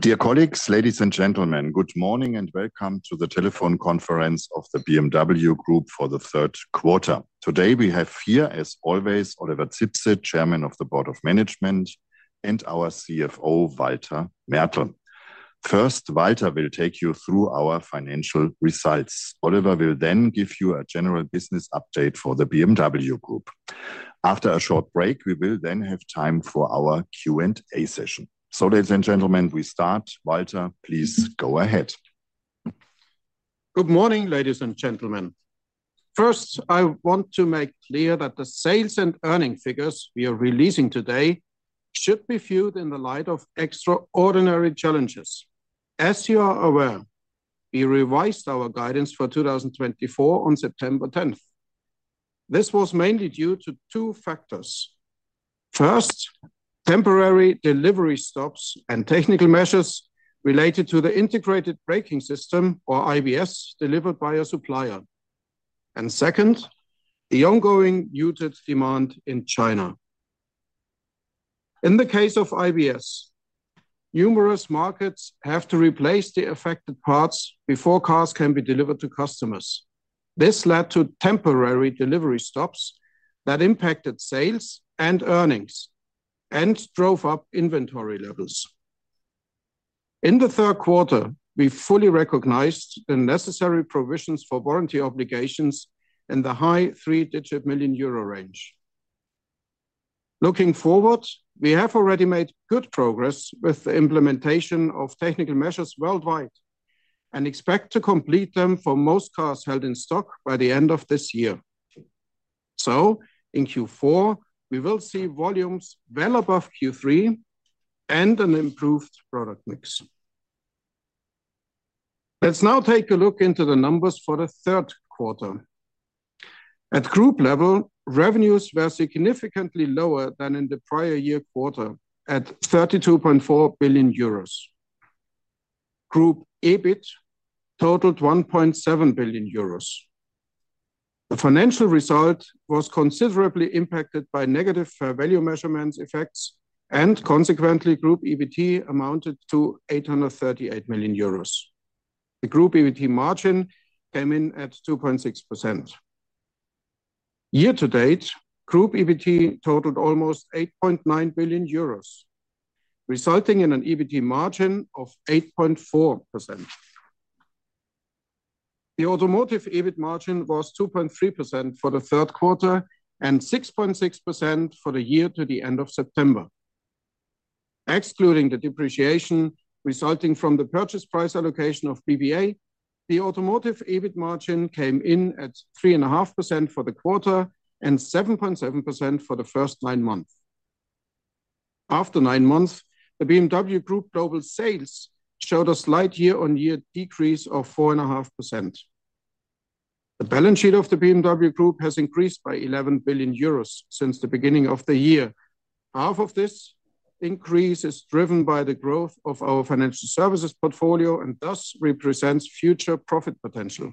Dear colleagues, ladies and gentlemen, good morning and welcome to the telephone conference of the BMW Group for the third quarter. Today we have here, as always, Oliver Zipse, Chairman of the Board of Management, and our CFO, Walter Mertl. First, Walter will take you through our financial results. Oliver will then give you a general business update for the BMW Group. After a short break, we will then have time for our Q&A session. So, ladies and gentlemen, we start. Walter, please go ahead. Good morning, ladies and gentlemen. First, I want to make clear that the sales and earnings figures we are releasing today should be viewed in the light of extraordinary challenges. As you are aware, we revised our guidance for 2024 on September 10th. This was mainly due to two factors. First, temporary delivery stops and technical measures related to the integrated braking system, or IBS, delivered by a supplier. And second, the ongoing muted demand in China. In the case of IBS, numerous markets have to replace the affected parts before cars can be delivered to customers. This led to temporary delivery stops that impacted sales and earnings and drove up inventory levels. In the third quarter, we fully recognized the necessary provisions for warranty obligations in the high three-digit million EUR range. Looking forward, we have already made good progress with the implementation of technical measures worldwide and expect to complete them for most cars held in stock by the end of this year. So, in Q4, we will see volumes well above Q3 and an improved product mix. Let's now take a look into the numbers for the third quarter. At group level, revenues were significantly lower than in the prior year quarter, at 32.4 billion euros. Group EBIT totaled 1.7 billion euros. The financial result was considerably impacted by negative fair value measurement effects, and consequently, Group EBT amounted to 838 million euros. The Group EBT margin came in at 2.6%. Year to date, Group EBT totaled almost 8.9 billion euros, resulting in an EBT margin of 8.4%. The automotive EBIT margin was 2.3% for the third quarter and 6.6% for the year to the end of September. Excluding the depreciation resulting from the purchase price allocation of BBA, the automotive EBIT margin came in at 3.5% for the quarter and 7.7% for the first nine months. After nine months, the BMW Group global sales showed a slight year-on-year decrease of 4.5%. The balance sheet of the BMW Group has increased by 11 billion euros since the beginning of the year. Half of this increase is driven by the growth of our financial services portfolio and thus represents future profit potential.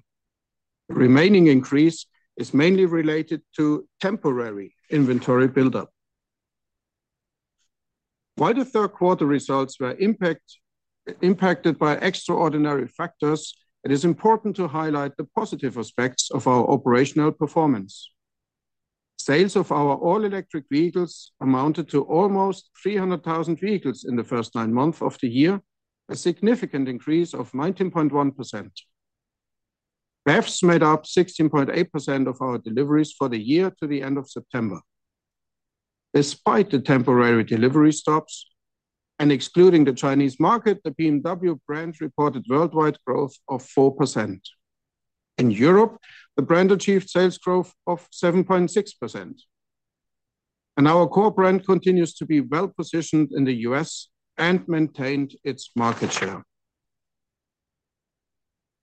The remaining increase is mainly related to temporary inventory buildup. While the third quarter results were impacted by extraordinary factors, it is important to highlight the positive aspects of our operational performance. Sales of our all-electric vehicles amounted to almost 300,000 vehicles in the first nine months of the year, a significant increase of 19.1%. BEVs made up 16.8% of our deliveries for the year to the end of September. Despite the temporary delivery stops, and excluding the Chinese market, the BMW brand reported worldwide growth of 4%. In Europe, the brand achieved sales growth of 7.6%, and our core brand continues to be well positioned in the U.S. and maintained its market share.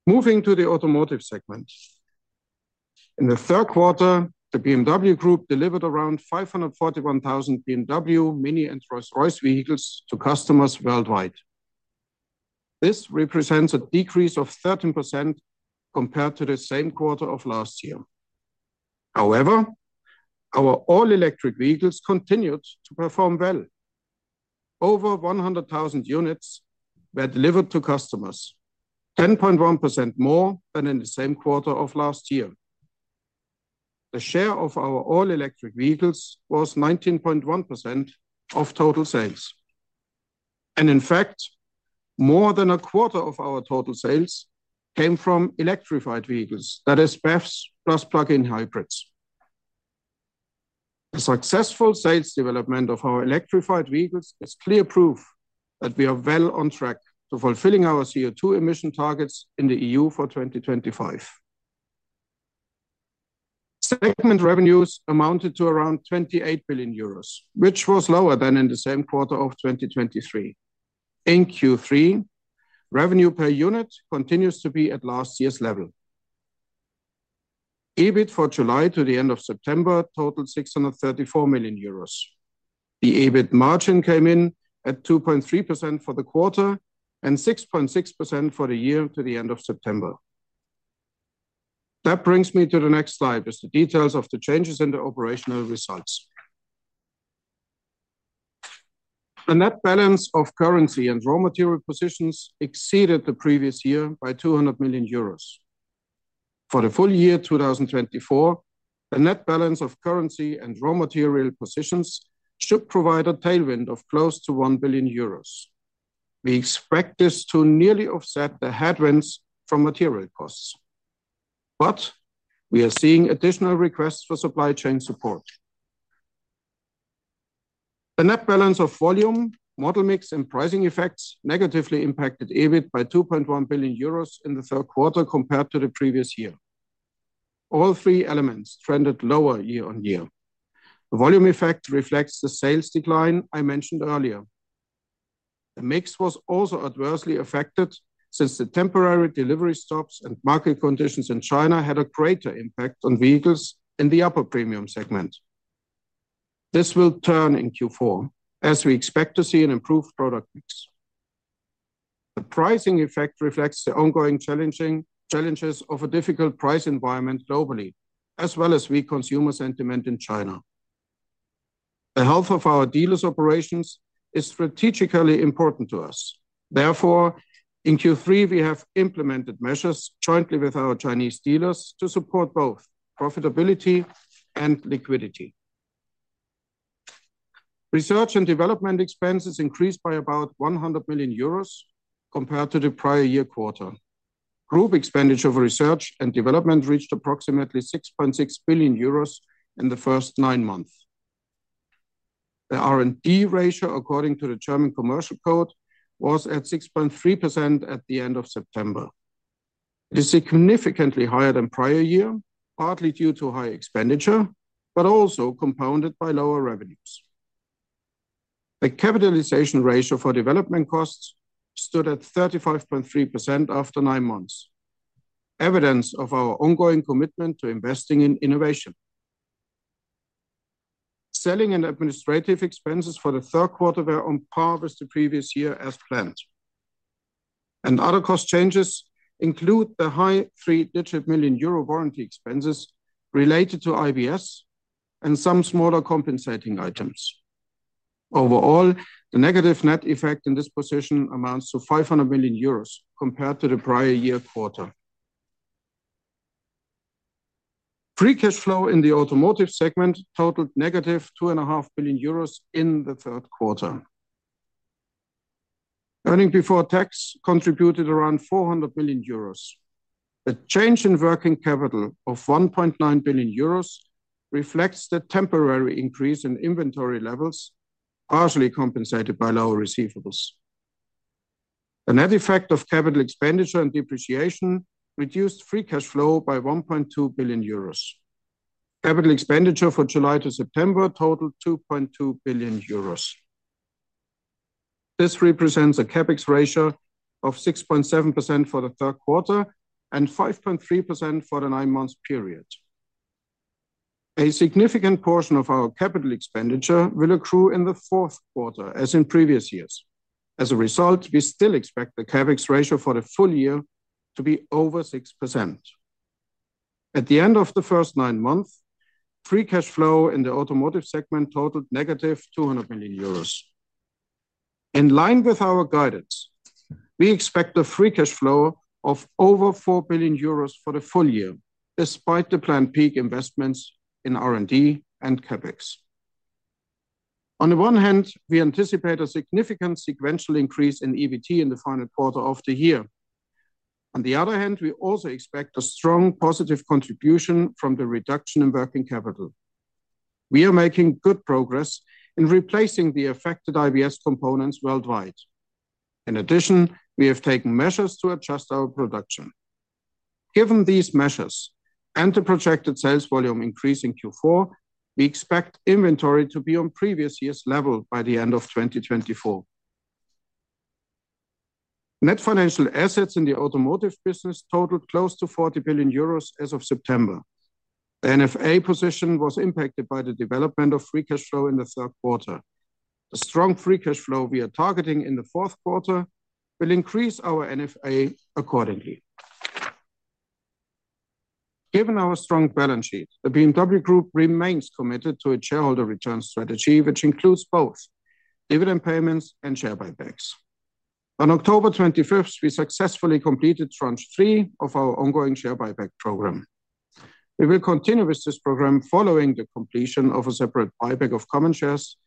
Moving to the automotive segment. In the third quarter, the BMW Group delivered around 541,000 BMW, Mini, and Rolls-Royce vehicles to customers worldwide. This represents a decrease of 13% compared to the same quarter of last year. However, our all-electric vehicles continued to perform well. Over 100,000 units were delivered to customers, 10.1% more than in the same quarter of last year. The share of our all-electric vehicles was 19.1% of total sales. And in fact, more than a quarter of our total sales came from electrified vehicles, that is, BEVs plus plug-in hybrids. The successful sales development of our electrified vehicles is clear proof that we are well on track to fulfilling our CO2 emission targets in the EU for 2025. Segment revenues amounted to around 28 billion euros, which was lower than in the same quarter of 2023. In Q3, revenue per unit continues to be at last year's level. EBIT for July to the end of September totaled 634 million euros. The EBIT margin came in at 2.3% for the quarter and 6.6% for the year to the end of September. That brings me to the next slide, which is the details of the changes in the operational results. The net balance of currency and raw material positions exceeded the previous year by 200 million euros. For the full year 2024, the net balance of currency and raw material positions should provide a tailwind of close to 1 billion euros. We expect this to nearly offset the headwinds from material costs. But we are seeing additional requests for supply chain support. The net balance of volume, model mix, and pricing effects negatively impacted EBIT by 2.1 billion euros in the third quarter compared to the previous year. All three elements trended lower year on year. The volume effect reflects the sales decline I mentioned earlier. The mix was also adversely affected since the temporary delivery stops and market conditions in China had a greater impact on vehicles in the upper premium segment. This will turn in Q4, as we expect to see an improved product mix. The pricing effect reflects the ongoing challenges of a difficult price environment globally, as well as weak consumer sentiment in China. The health of our dealers' operations is strategically important to us. Therefore, in Q3, we have implemented measures jointly with our Chinese dealers to support both profitability and liquidity. Research and development expenses increased by about 100 million euros compared to the prior year quarter. Group expenditure for research and development reached approximately 6.6 billion euros in the first nine months. The R&D ratio, according to the German commercial code, was at 6.3% at the end of September. It is significantly higher than prior year, partly due to high expenditure, but also compounded by lower revenues. The capitalization ratio for development costs stood at 35.3% after nine months, evidence of our ongoing commitment to investing in innovation. Selling and administrative expenses for the third quarter were on par with the previous year as planned, and other cost changes include the high three-digit million EUR warranty expenses related to IBS and some smaller compensating items. Overall, the negative net effect in this position amounts to 500 million euros compared to the prior year quarter. Free cash flow in the automotive segment totaled negative 2.5 billion euros in the third quarter. Earnings before tax contributed around 400 million euros. The change in working capital of 1.9 billion euros reflects the temporary increase in inventory levels, partially compensated by lower receivables. The net effect of capital expenditure and depreciation reduced free cash flow by 1.2 billion euros. Capital expenditure for July to September totaled 2.2 billion euros. This represents a CapEx ratio of 6.7% for the third quarter and 5.3% for the nine-month period. A significant portion of our capital expenditure will accrue in the fourth quarter, as in previous years. As a result, we still expect the CapEx ratio for the full year to be over 6%. At the end of the first nine months, free cash flow in the automotive segment totaled -200 million euros. In line with our guidance, we expect a free cash flow of over 4 billion euros for the full year, despite the planned peak investments in R&D and CapEx. On the one hand, we anticipate a significant sequential increase in EBT in the final quarter of the year. On the other hand, we also expect a strong positive contribution from the reduction in working capital. We are making good progress in replacing the affected IBS components worldwide. In addition, we have taken measures to adjust our production. Given these measures and the projected sales volume increase in Q4, we expect inventory to be on previous year's level by the end of 2024. Net financial assets in the automotive business totaled close to 40 billion euros as of September. The NFA position was impacted by the development of free cash flow in the third quarter. The strong free cash flow we are targeting in the fourth quarter will increase our NFA accordingly. Given our strong balance sheet, the BMW Group remains committed to its shareholder return strategy, which includes both dividend payments and share buybacks. On October 25th, we successfully completed tranche three of our ongoing share buyback program. We will continue with this program following the completion of a separate buyback of common shares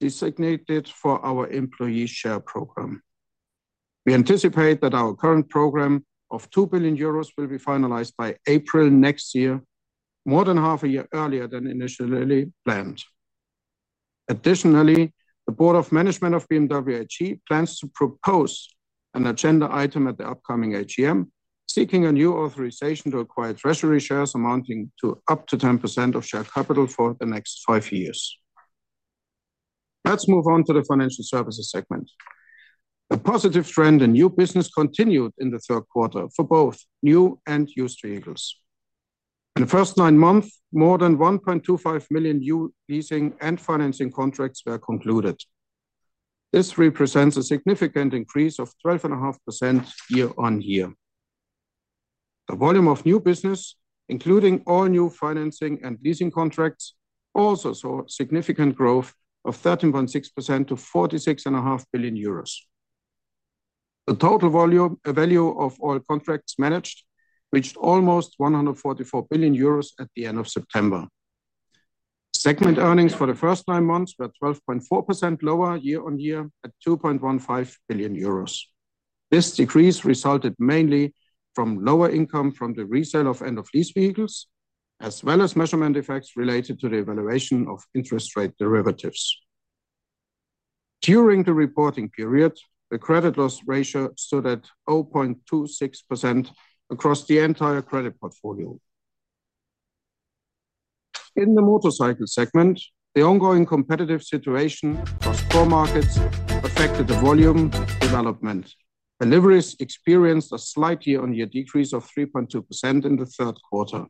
designated for our employee share program. We anticipate that our current program of 2 billion euros will be finalized by April next year, more than half a year earlier than initially planned. Additionally, the Board of Management of BMW AG plans to propose an agenda item at the upcoming AGM, seeking a new authorization to acquire treasury shares amounting to up to 10% of share capital for the next five years. Let's move on to the financial services segment. The positive trend in new business continued in the third quarter for both new and used vehicles. In the first nine months, more than 1.25 million new leasing and financing contracts were concluded. This represents a significant increase of 12.5% year on year. The volume of new business, including all new financing and leasing contracts, also saw significant growth of 13.6% to 46.5 billion euros. The total volume, a value of all contracts managed, reached almost 144 billion euros at the end of September. Segment earnings for the first nine months were 12.4% lower year on year at 2.15 billion euros. This decrease resulted mainly from lower income from the resale of end-of-lease vehicles, as well as measurement effects related to the evaluation of interest rate derivatives. During the reporting period, the credit loss ratio stood at 0.26% across the entire credit portfolio. In the motorcycle segment, the ongoing competitive situation across four markets affected the volume development. Deliveries experienced a slight year-on-year decrease of 3.2% in the third quarter.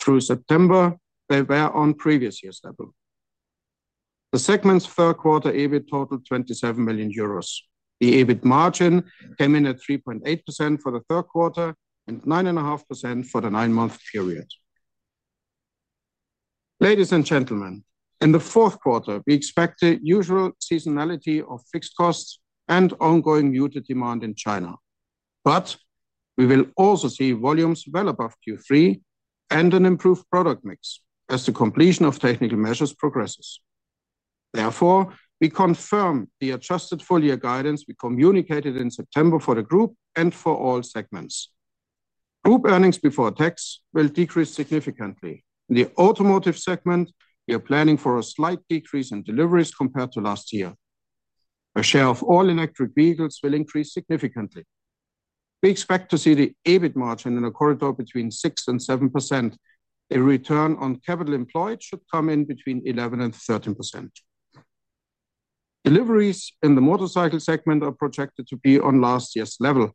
Through September, they were on previous year's level. The segment's third quarter EBIT totaled 27 million euros. The EBIT margin came in at 3.8% for the third quarter and 9.5% for the nine-month period. Ladies and gentlemen, in the fourth quarter, we expect the usual seasonality of fixed costs and ongoing muted demand in China. But we will also see volumes well above Q3 and an improved product mix as the completion of technical measures progresses. Therefore, we confirm the adjusted full-year guidance we communicated in September for the group and for all segments. Group earnings before tax will decrease significantly. In the automotive segment, we are planning for a slight decrease in deliveries compared to last year. A share of all electric vehicles will increase significantly. We expect to see the EBIT margin in a corridor between 6% and 7%. The return on capital employed should come in between 11% and 13%. Deliveries in the motorcycle segment are projected to be on last year's level.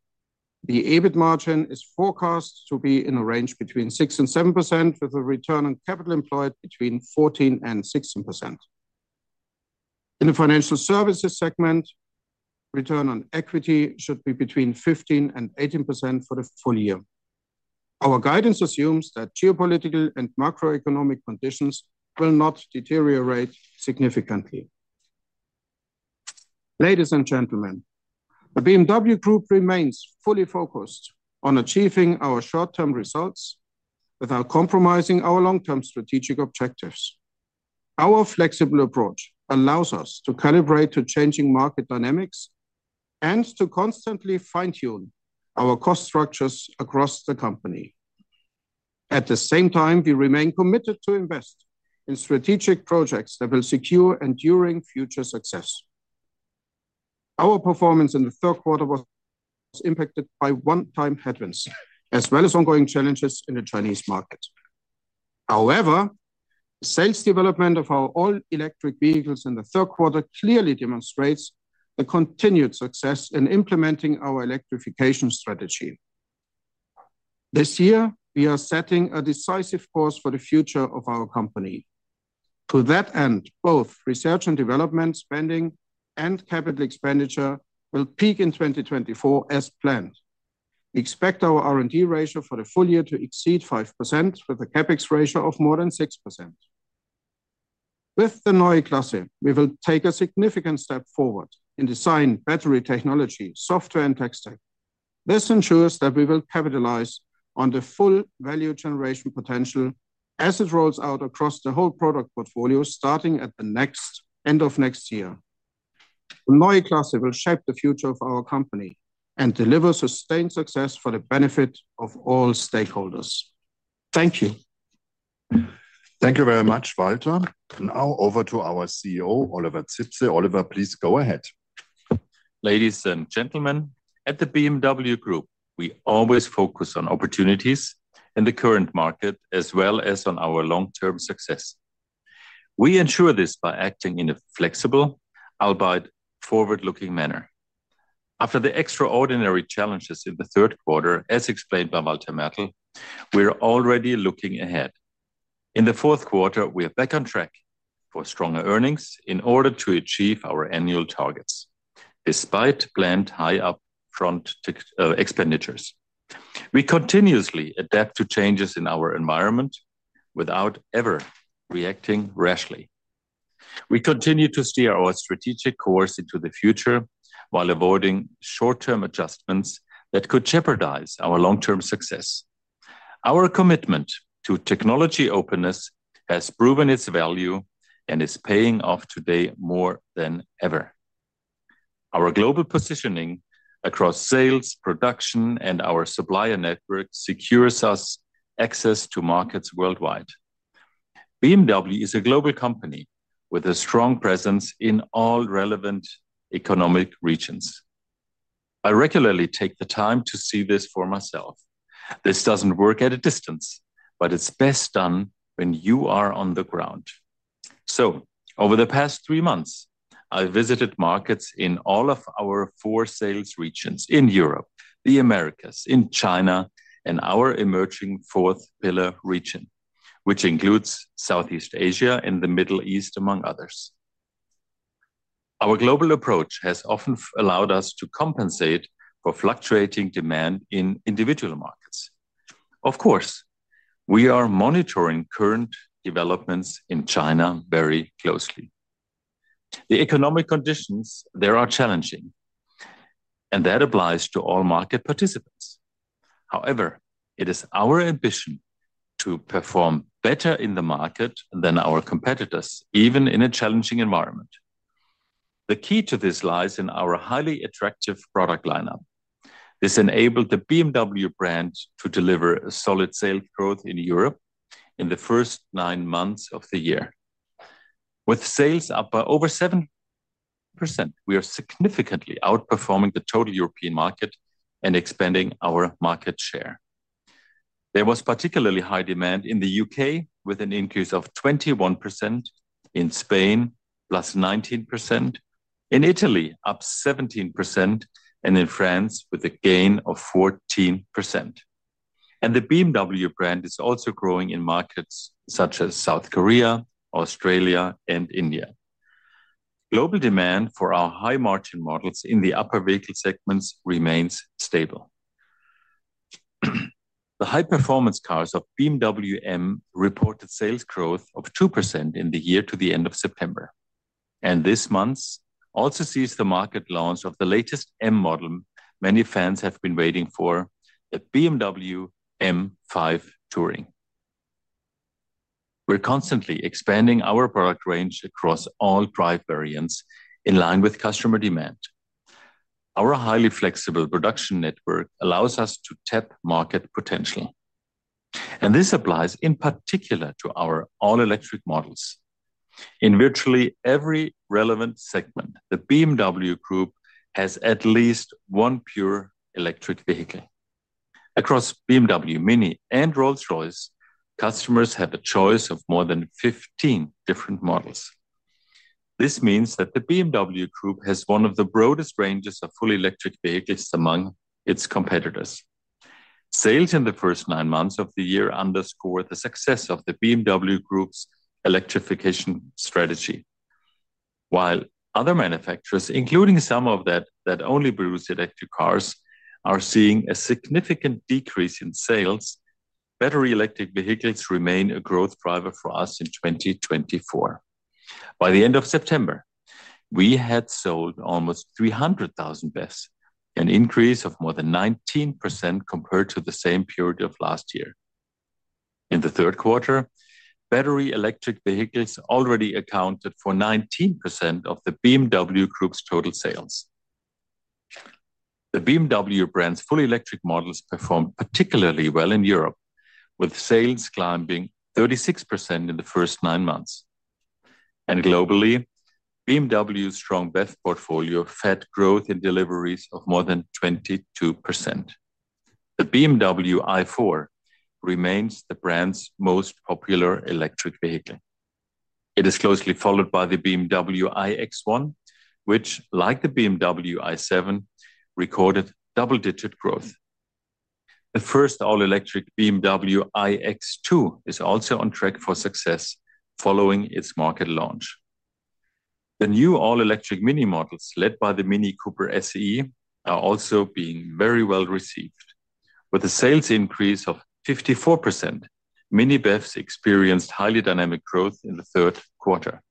The EBIT margin is forecast to be in a range between 6% and 7%, with a return on capital employed between 14% and 16%. In the financial services segment, return on equity should be between 15% and 18% for the full year. Our guidance assumes that geopolitical and macroeconomic conditions will not deteriorate significantly. Ladies and gentlemen, the BMW Group remains fully focused on achieving our short-term results without compromising our long-term strategic objectives. Our flexible approach allows us to calibrate to changing market dynamics and to constantly fine-tune our cost structures across the company. At the same time, we remain committed to invest in strategic projects that will secure enduring future success. Our performance in the third quarter was impacted by one-time headwinds, as well as ongoing challenges in the Chinese market. However, the sales development of our all-electric vehicles in the third quarter clearly demonstrates the continued success in implementing our electrification strategy. This year, we are setting a decisive course for the future of our company. To that end, both research and development spending and capital expenditure will peak in 2024 as planned. We expect our R&D ratio for the full year to exceed 5%, with a CapEx ratio of more than 6%. With the Neue Klasse, we will take a significant step forward in design, battery technology, software, and tech stack. This ensures that we will capitalize on the full value generation potential as it rolls out across the whole product portfolio, starting at the end of next year. The Neue Klasse will shape the future of our company and deliver sustained success for the benefit of all stakeholders. Thank you. Thank you very much, Walter. Now over to our CEO, Oliver Zipse. Oliver, please go ahead. Ladies and gentlemen, at the BMW Group, we always focus on opportunities in the current market, as well as on our long-term success. We ensure this by acting in a flexible, albeit forward-looking manner. After the extraordinary challenges in the third quarter, as explained by Walter Mertl, we are already looking ahead. In the fourth quarter, we are back on track for stronger earnings in order to achieve our annual targets, despite planned high upfront expenditures. We continuously adapt to changes in our environment without ever reacting rashly. We continue to steer our strategic course into the future while avoiding short-term adjustments that could jeopardize our long-term success. Our commitment to technology openness has proven its value and is paying off today more than ever. Our global positioning across sales, production, and our supplier network secures us access to markets worldwide. BMW is a global company with a strong presence in all relevant economic regions. I regularly take the time to see this for myself. This doesn't work at a distance, but it's best done when you are on the ground. So, over the past three months, I visited markets in all of our four sales regions in Europe, the Americas, in China, and our emerging fourth-pillar region, which includes Southeast Asia and the Middle East, among others. Our global approach has often allowed us to compensate for fluctuating demand in individual markets. Of course, we are monitoring current developments in China very closely. The economic conditions there are challenging, and that applies to all market participants. However, it is our ambition to perform better in the market than our competitors, even in a challenging environment. The key to this lies in our highly attractive product lineup. This enabled the BMW brand to deliver solid sales growth in Europe in the first nine months of the year. With sales up by over 7%, we are significantly outperforming the total European market and expanding our market share. There was particularly high demand in the UK, with an increase of 21%, in Spain, plus 19%, in Italy, up 17%, and in France, with a gain of 14%. And the BMW brand is also growing in markets such as South Korea, Australia, and India. Global demand for our high-margin models in the upper vehicle segments remains stable. The high-performance cars of BMW M reported sales growth of 2% in the year to the end of September. This month also sees the market launch of the latest M model many fans have been waiting for, the BMW M5 Touring. We're constantly expanding our product range across all drive variants in line with customer demand. Our highly flexible production network allows us to tap market potential. This applies in particular to our all-electric models. In virtually every relevant segment, the BMW Group has at least one pure electric vehicle. Across BMW Mini and Rolls-Royce, customers have a choice of more than 15 different models. This means that the BMW Group has one of the broadest ranges of fully electric vehicles among its competitors. Sales in the first nine months of the year underscore the success of the BMW Group's electrification strategy. While other manufacturers, including some that only produce electric cars, are seeing a significant decrease in sales, battery electric vehicles remain a growth driver for us in 2024. By the end of September, we had sold almost 300,000 BEVs, an increase of more than 19% compared to the same period of last year. In the third quarter, battery electric vehicles already accounted for 19% of the BMW Group's total sales. The BMW brand's fully electric models performed particularly well in Europe, with sales climbing 36% in the first nine months. Globally, BMW's strong BEV portfolio fed growth in deliveries of more than 22%. The BMW i4 remains the brand's most popular electric vehicle. It is closely followed by the BMW iX1, which, like the BMW i7, recorded double-digit growth. The first all-electric BMW iX2 is also on track for success following its market launch. The new all-electric Mini models, led by the Mini Cooper SE, are also being very well received. With a sales increase of 54%, Mini BEVs experienced highly dynamic growth in the third quarter,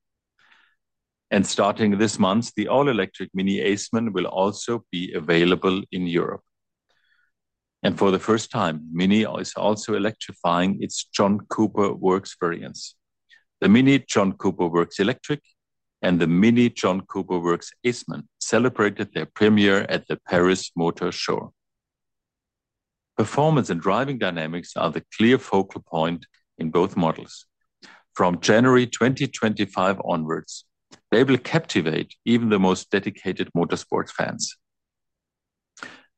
and starting this month, the all-electric Mini Aceman will also be available in Europe, and for the first time, Mini is also electrifying its John Cooper Works variants. The Mini John Cooper Works Electric and the Mini John Cooper Works Aceman celebrated their premiere at the Paris Motor Show. Performance and driving dynamics are the clear focal point in both models. From January 2025 onwards, they will captivate even the most dedicated motorsports fans.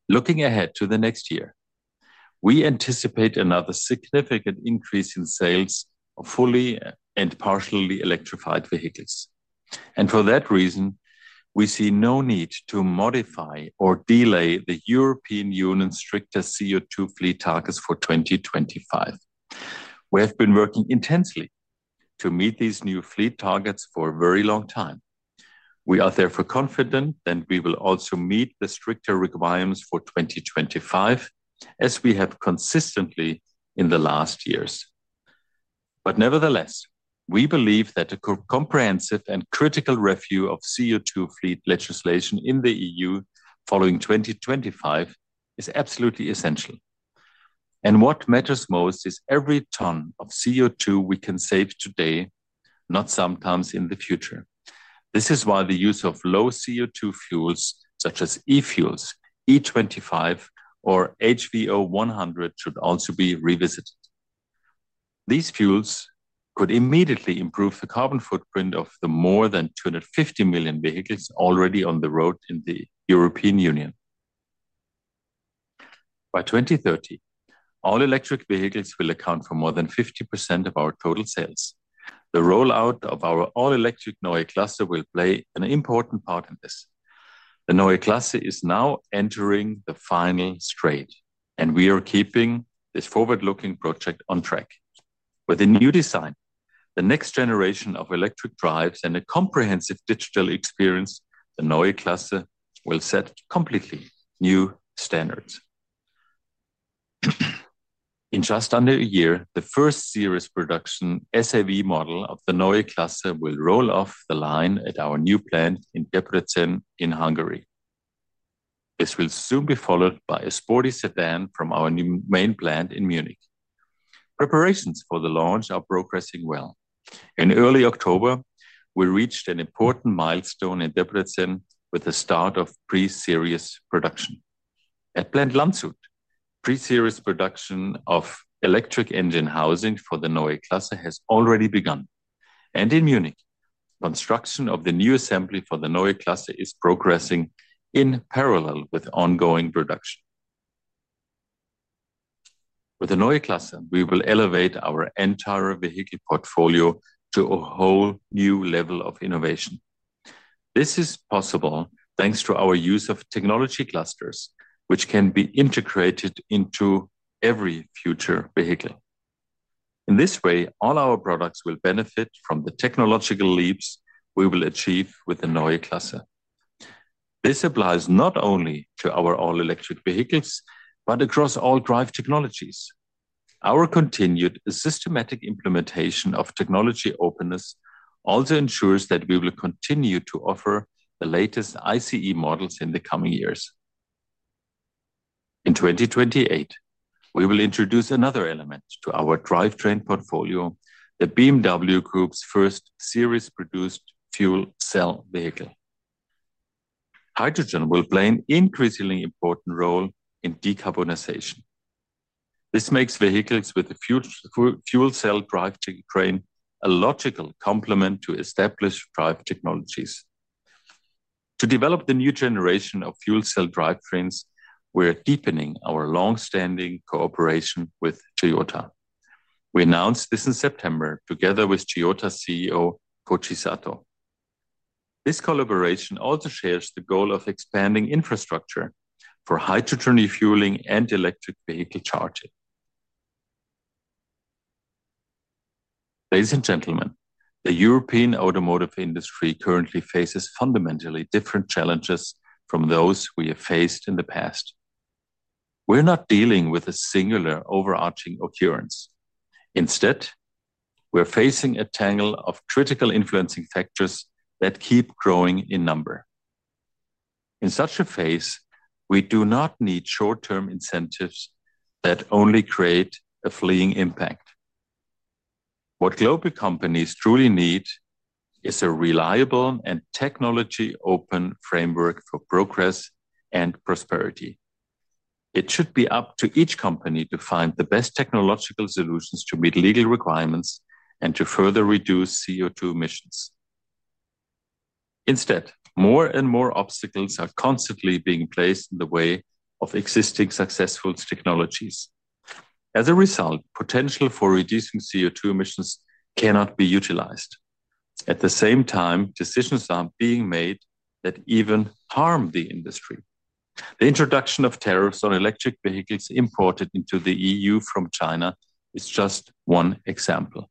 Looking ahead to the next year, we anticipate another significant increase in sales of fully and partially electrified vehicles, and for that reason, we see no need to modify or delay the European Union's stricter CO2 fleet targets for 2025. We have been working intensely to meet these new fleet targets for a very long time. We are therefore confident that we will also meet the stricter requirements for 2025, as we have consistently in the last years. But nevertheless, we believe that a comprehensive and critical review of CO2 fleet legislation in the EU following 2025 is absolutely essential. And what matters most is every ton of CO2 we can save today, not sometimes in the future. This is why the use of low CO2 fuels, such as e-fuels, E25, or HVO100, should also be revisited. These fuels could immediately improve the carbon footprint of the more than 250 million vehicles already on the road in the European Union. By 2030, all-electric vehicles will account for more than 50% of our total sales. The rollout of our all-electric Neue Klasse will play an important part in this. The Neue Klasse is now entering the final straight, and we are keeping this forward-looking project on track. With a new design, the next generation of electric drives, and a comprehensive digital experience, the Neue Klasse will set completely new standards. In just under a year, the first series production SAV model of the Neue Klasse will roll off the line at our new plant in Debrecen in Hungary. This will soon be followed by a sporty sedan from our new main plant in Munich. Preparations for the launch are progressing well. In early October, we reached an important milestone in Debrecen with the start of pre-series production. At plant Landshut, pre-series production of electric engine housing for the Neue Klasse has already begun, and in Munich, construction of the new assembly for the Neue Klasse is progressing in parallel with ongoing production. With the Neue Klasse, we will elevate our entire vehicle portfolio to a whole new level of innovation. This is possible thanks to our use of technology clusters, which can be integrated into every future vehicle. In this way, all our products will benefit from the technological leaps we will achieve with the Neue Klasse. This applies not only to our all-electric vehicles, but across all drive technologies. Our continued systematic implementation of technology openness also ensures that we will continue to offer the latest ICE models in the coming years. In 2028, we will introduce another element to our drivetrain portfolio, the BMW Group's first series-produced fuel cell vehicle. Hydrogen will play an increasingly important role in decarbonization. This makes vehicles with a fuel cell drivetrain a logical complement to established drive technologies. To develop the new generation of fuel cell drivetrains, we are deepening our long-standing cooperation with Toyota. We announced this in September together with Toyota CEO Koji Sato. This collaboration also shares the goal of expanding infrastructure for hydrogen refueling and electric vehicle charging. Ladies and gentlemen, the European automotive industry currently faces fundamentally different challenges from those we have faced in the past. We're not dealing with a singular overarching occurrence. Instead, we're facing a tangle of critical influencing factors that keep growing in number. In such a phase, we do not need short-term incentives that only create a fleeting impact. What global companies truly need is a reliable and technology-open framework for progress and prosperity. It should be up to each company to find the best technological solutions to meet legal requirements and to further reduce CO2 emissions. Instead, more and more obstacles are constantly being placed in the way of existing successful technologies. As a result, potential for reducing CO2 emissions cannot be utilized. At the same time, decisions are being made that even harm the industry. The introduction of tariffs on electric vehicles imported into the EU from China is just one example.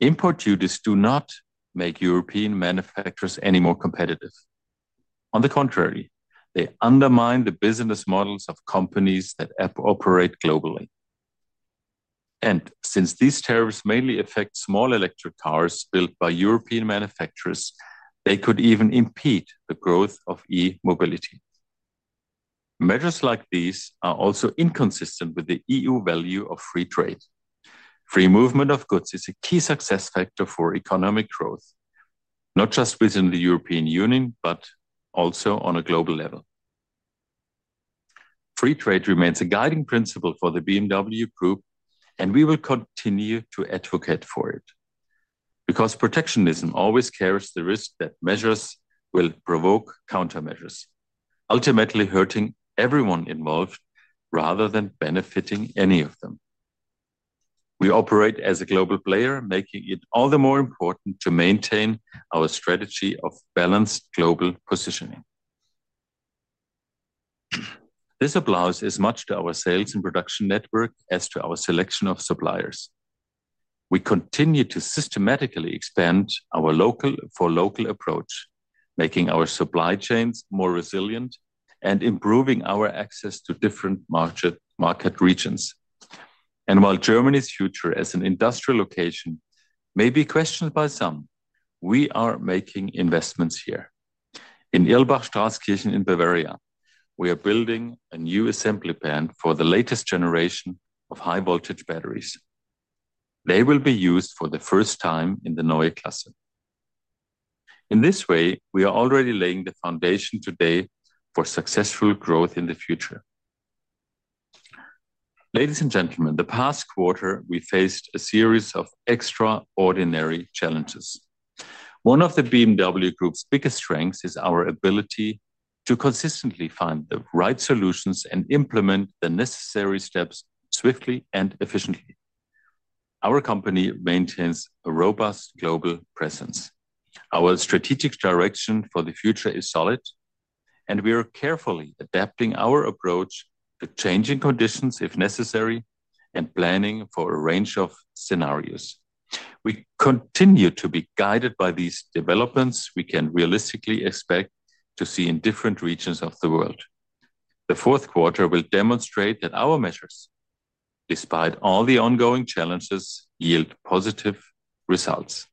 Import duties do not make European manufacturers any more competitive. On the contrary, they undermine the business models of companies that operate globally, and since these tariffs mainly affect small electric cars built by European manufacturers, they could even impede the growth of e-mobility. Measures like these are also inconsistent with the EU value of free trade. Free movement of goods is a key success factor for economic growth, not just within the European Union, but also on a global level. Free trade remains a guiding principle for the BMW Group, and we will continue to advocate for it. Because protectionism always carries the risk that measures will provoke countermeasures, ultimately hurting everyone involved rather than benefiting any of them. We operate as a global player, making it all the more important to maintain our strategy of balanced global positioning. This applies as much to our sales and production network as to our selection of suppliers. We continue to systematically expand our local for local approach, making our supply chains more resilient and improving our access to different market regions. While Germany's future as an industrial location may be questioned by some, we are making investments here. In Irlbach-Straßkirchen in Bavaria, we are building a new assembly plant for the latest generation of high-voltage batteries. They will be used for the first time in the Neue Klasse. In this way, we are already laying the foundation today for successful growth in the future. Ladies and gentlemen, the past quarter, we faced a series of extraordinary challenges. One of the BMW Group's biggest strengths is our ability to consistently find the right solutions and implement the necessary steps swiftly and efficiently. Our company maintains a robust global presence. Our strategic direction for the future is solid, and we are carefully adapting our approach to changing conditions if necessary and planning for a range of scenarios. We continue to be guided by these developments we can realistically expect to see in different regions of the world. The fourth quarter will demonstrate that our measures, despite all the ongoing challenges, yield positive results.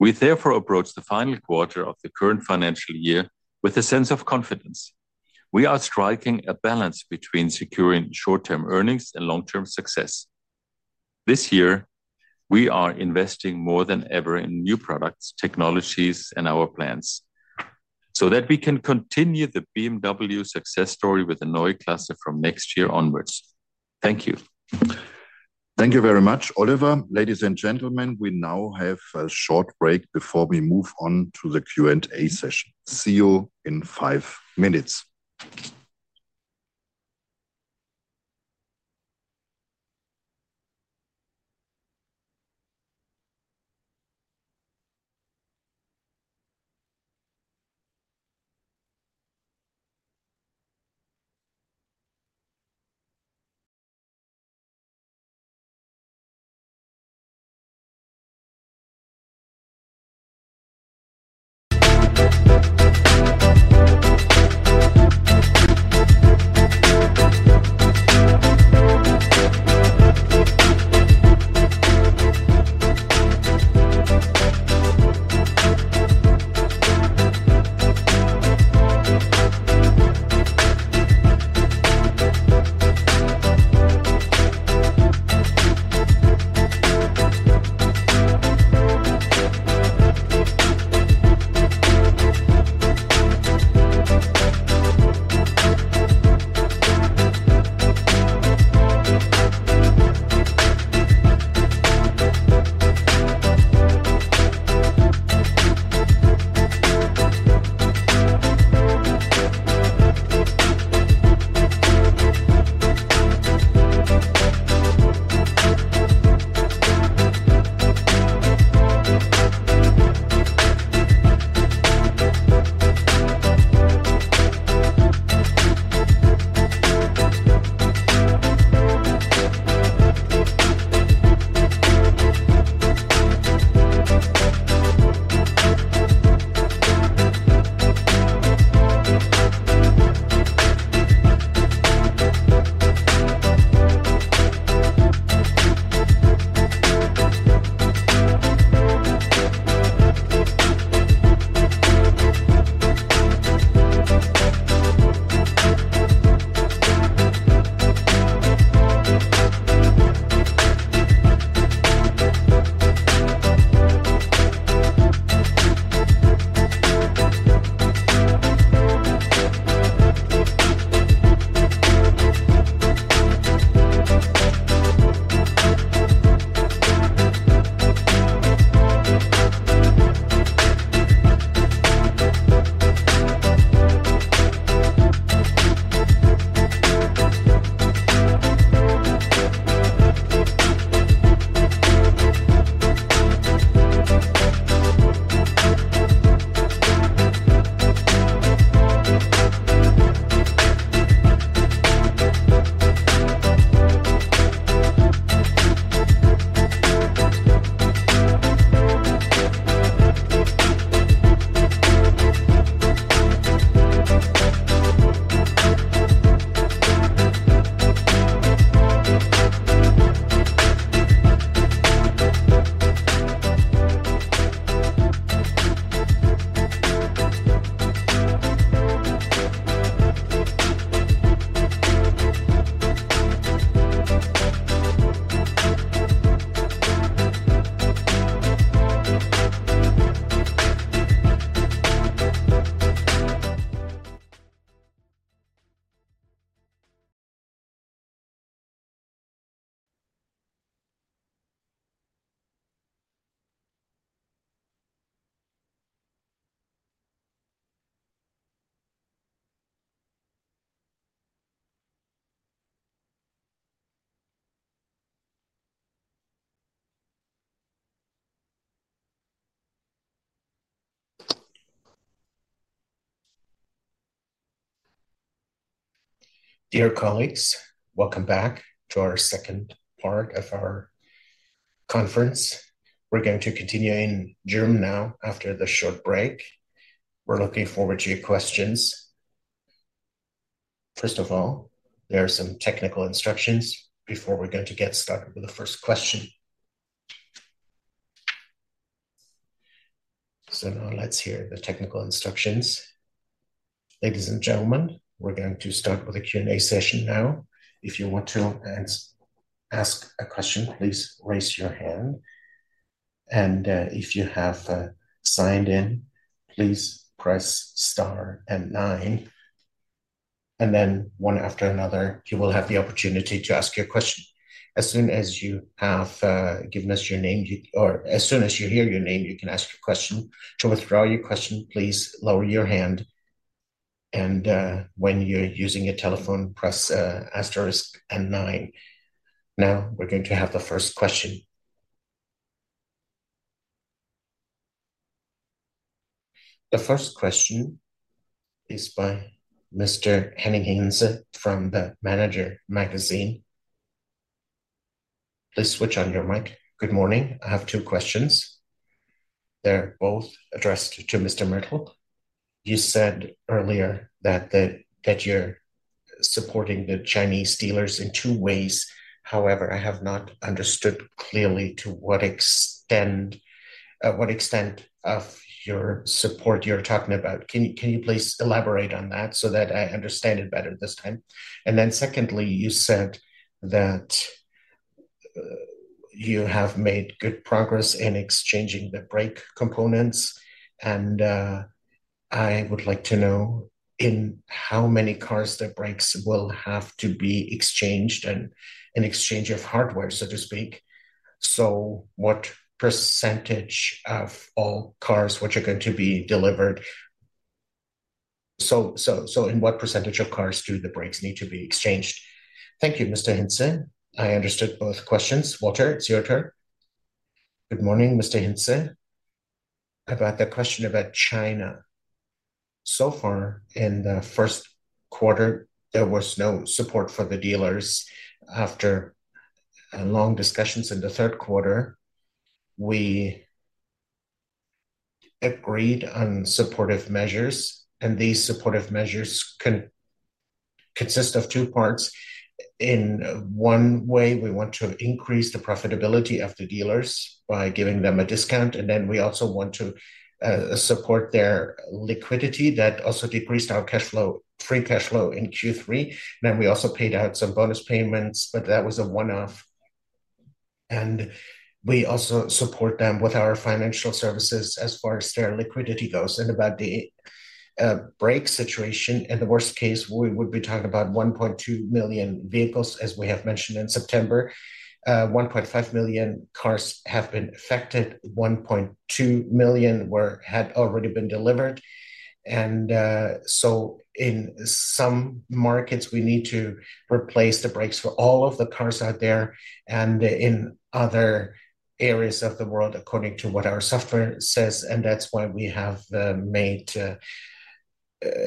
We therefore approach the final quarter of the current financial year with a sense of confidence. We are striking a balance between securing short-term earnings and long-term success. This year, we are investing more than ever in new products, technologies, and our plans so that we can continue the BMW success story with the Neue Klasse from next year onwards. Thank you. Thank you very much, Oliver. Ladies and gentlemen, we now have a short break before we move on to the Q&A session. See you in five minutes. Dear colleagues, welcome back to our second part of our conference. We're going to continue in German now after the short break. We're looking forward to your questions. First of all, there are some technical instructions before we're going to get started with the first question. So now let's hear the technical instructions. Ladies and gentlemen, we're going to start with a Q&A session now. If you want to ask a question, please raise your hand. And if you have signed in, please press star and nine. And then one after another, you will have the opportunity to ask your question. As soon as you have given us your name, or as soon as you hear your name, you can ask your question. To withdraw your question, please lower your hand. And when you're using your telephone, press asterisk and nine. Now we're going to have the first question. The first question is by Mr. Henning Hansen from the Manager Magazin. Please switch on your mic. Good morning. I have two questions. They're both addressed to Mr. Mertl. You said earlier that you're supporting the Chinese dealers in two ways. However, I have not understood clearly to what extent of your support you're talking about. Can you please elaborate on that so that I understand it better this time? Then secondly, you said that you have made good progress in exchanging the brake components. I would like to know in how many cars the brakes will have to be exchanged and in exchange of hardware, so to speak. What percentage of all cars, what you're going to be delivered? In what percentage of cars do the brakes need to be exchanged? Thank you, Mr. Hansen. I understood both questions. Walter, it's your turn. Good morning, Mr. Hansen. About the question about China. So far in the first quarter, there was no support for the dealers. After long discussions in the third quarter, we agreed on supportive measures. These supportive measures consist of two parts. In one way, we want to increase the profitability of the dealers by giving them a discount. And then we also want to support their liquidity that also decreased our free cash flow in Q3. And then we also paid out some bonus payments, but that was a one-off. And we also support them with our financial services as far as their liquidity goes. And about the brake situation, in the worst case, we would be talking about 1.2 million vehicles, as we have mentioned in September. 1.5 million cars have been affected. 1.2 million had already been delivered. And so in some markets, we need to replace the brakes for all of the cars out there and in other areas of the world, according to what our software says. And that's why we have made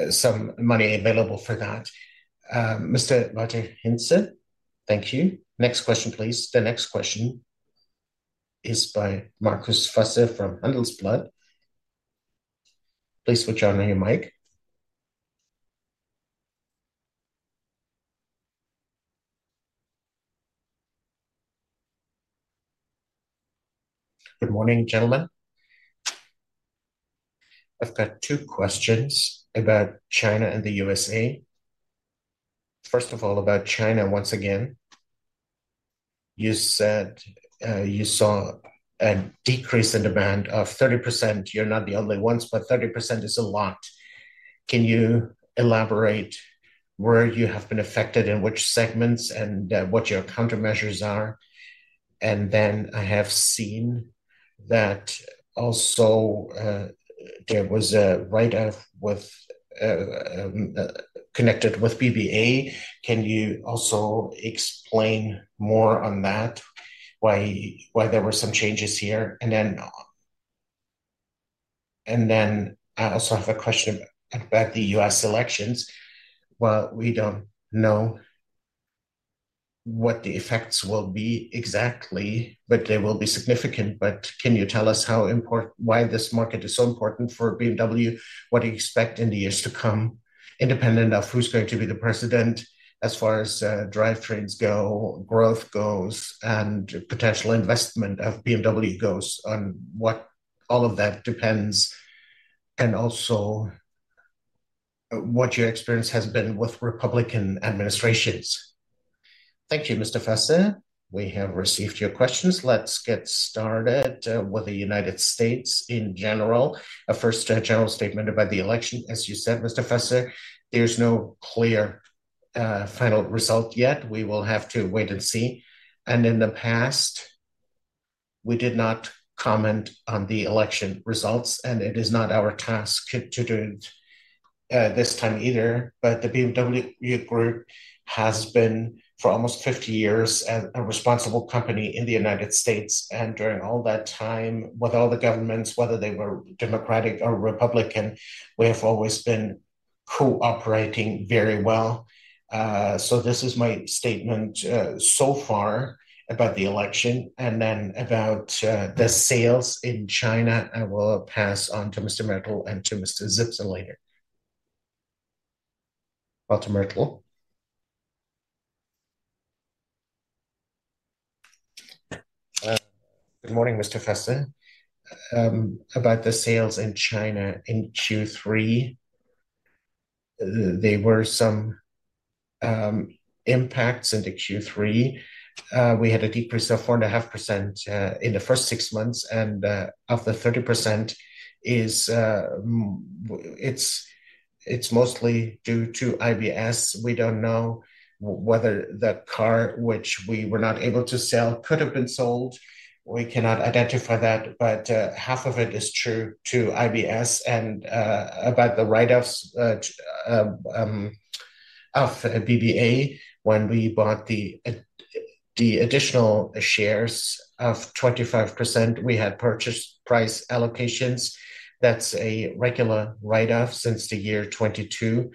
some money available for that. Mr. Walter Mertl, thank you. Next question, please. The next question is by Markus Fasse from Handelsblatt. Please switch on your mic. Good morning, gentlemen. I've got two questions about China and the USA. First of all, about China once again. You said you saw a decrease in demand of 30%. You're not the only ones, but 30% is a lot. Can you elaborate where you have been affected, in which segments, and what your countermeasures are? And then I have seen that also there was a write-off connected with BBA. Can you also explain more on that, why there were some changes here? And then I also have a question about the U.S. elections. We don't know what the effects will be exactly, but they will be significant. Can you tell us why this market is so important for BMW? What do you expect in the years to come, independent of who's going to be the president, as far as drive trains go, growth goes, and potential investment of BMW goes on? All of that depends, and also what your experience has been with Republican administrations. Thank you, Mr. Fasse. We have received your questions. Let's get started with the United States in general. A first general statement about the election, as you said, Mr. Fasse. There's no clear final result yet. We will have to wait and see, and in the past, we did not comment on the election results, and it is not our task to do this time either. The BMW Group has been, for almost 50 years, a responsible company in the United States, and during all that time, with all the governments, whether they were Democratic or Republican, we have always been cooperating very well. This is my statement so far about the election. Then about the sales in China, I will pass on to Mr. Mertl and to Mr. Zipse later. Walter Mertl. Good morning, Mr. Fasse. About the sales in China in Q3, there were some impacts in Q3. We had a decrease of 4.5% in the first six months. Of the 30%, it's mostly due to IBS. We don't know whether the car, which we were not able to sell, could have been sold. We cannot identify that. Half of it is due to IBS. About the write-offs of BBA, when we bought the additional shares of 25%, we had purchase price allocations. That's a regular write-off since the year 2022,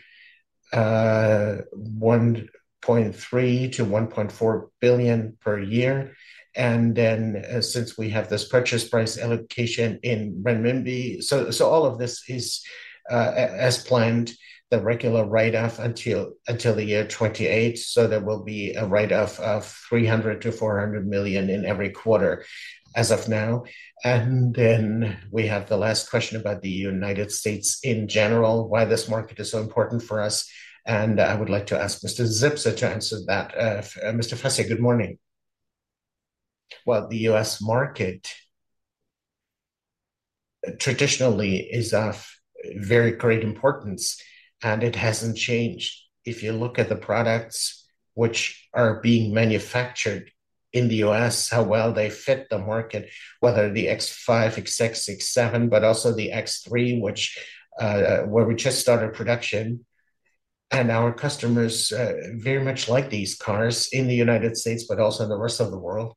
1.3 billion-1.4 billion per year. Since we have this purchase price allocation in Renminbi, all of this is as planned, the regular write-off until the year 2028. There will be a write-off of 300 million-400 million in every quarter as of now. And then we have the last question about the United States in general, why this market is so important for us. And I would like to ask Mr. Zipse to answer that. Mr. Fasse, good morning. Well, the U.S. market traditionally is of very great importance, and it hasn't changed. If you look at the products which are being manufactured in the U.S., how well they fit the market, whether the X5, X6, X7, but also the X3, where we just started production. And our customers very much like these cars in the United States, but also in the rest of the world.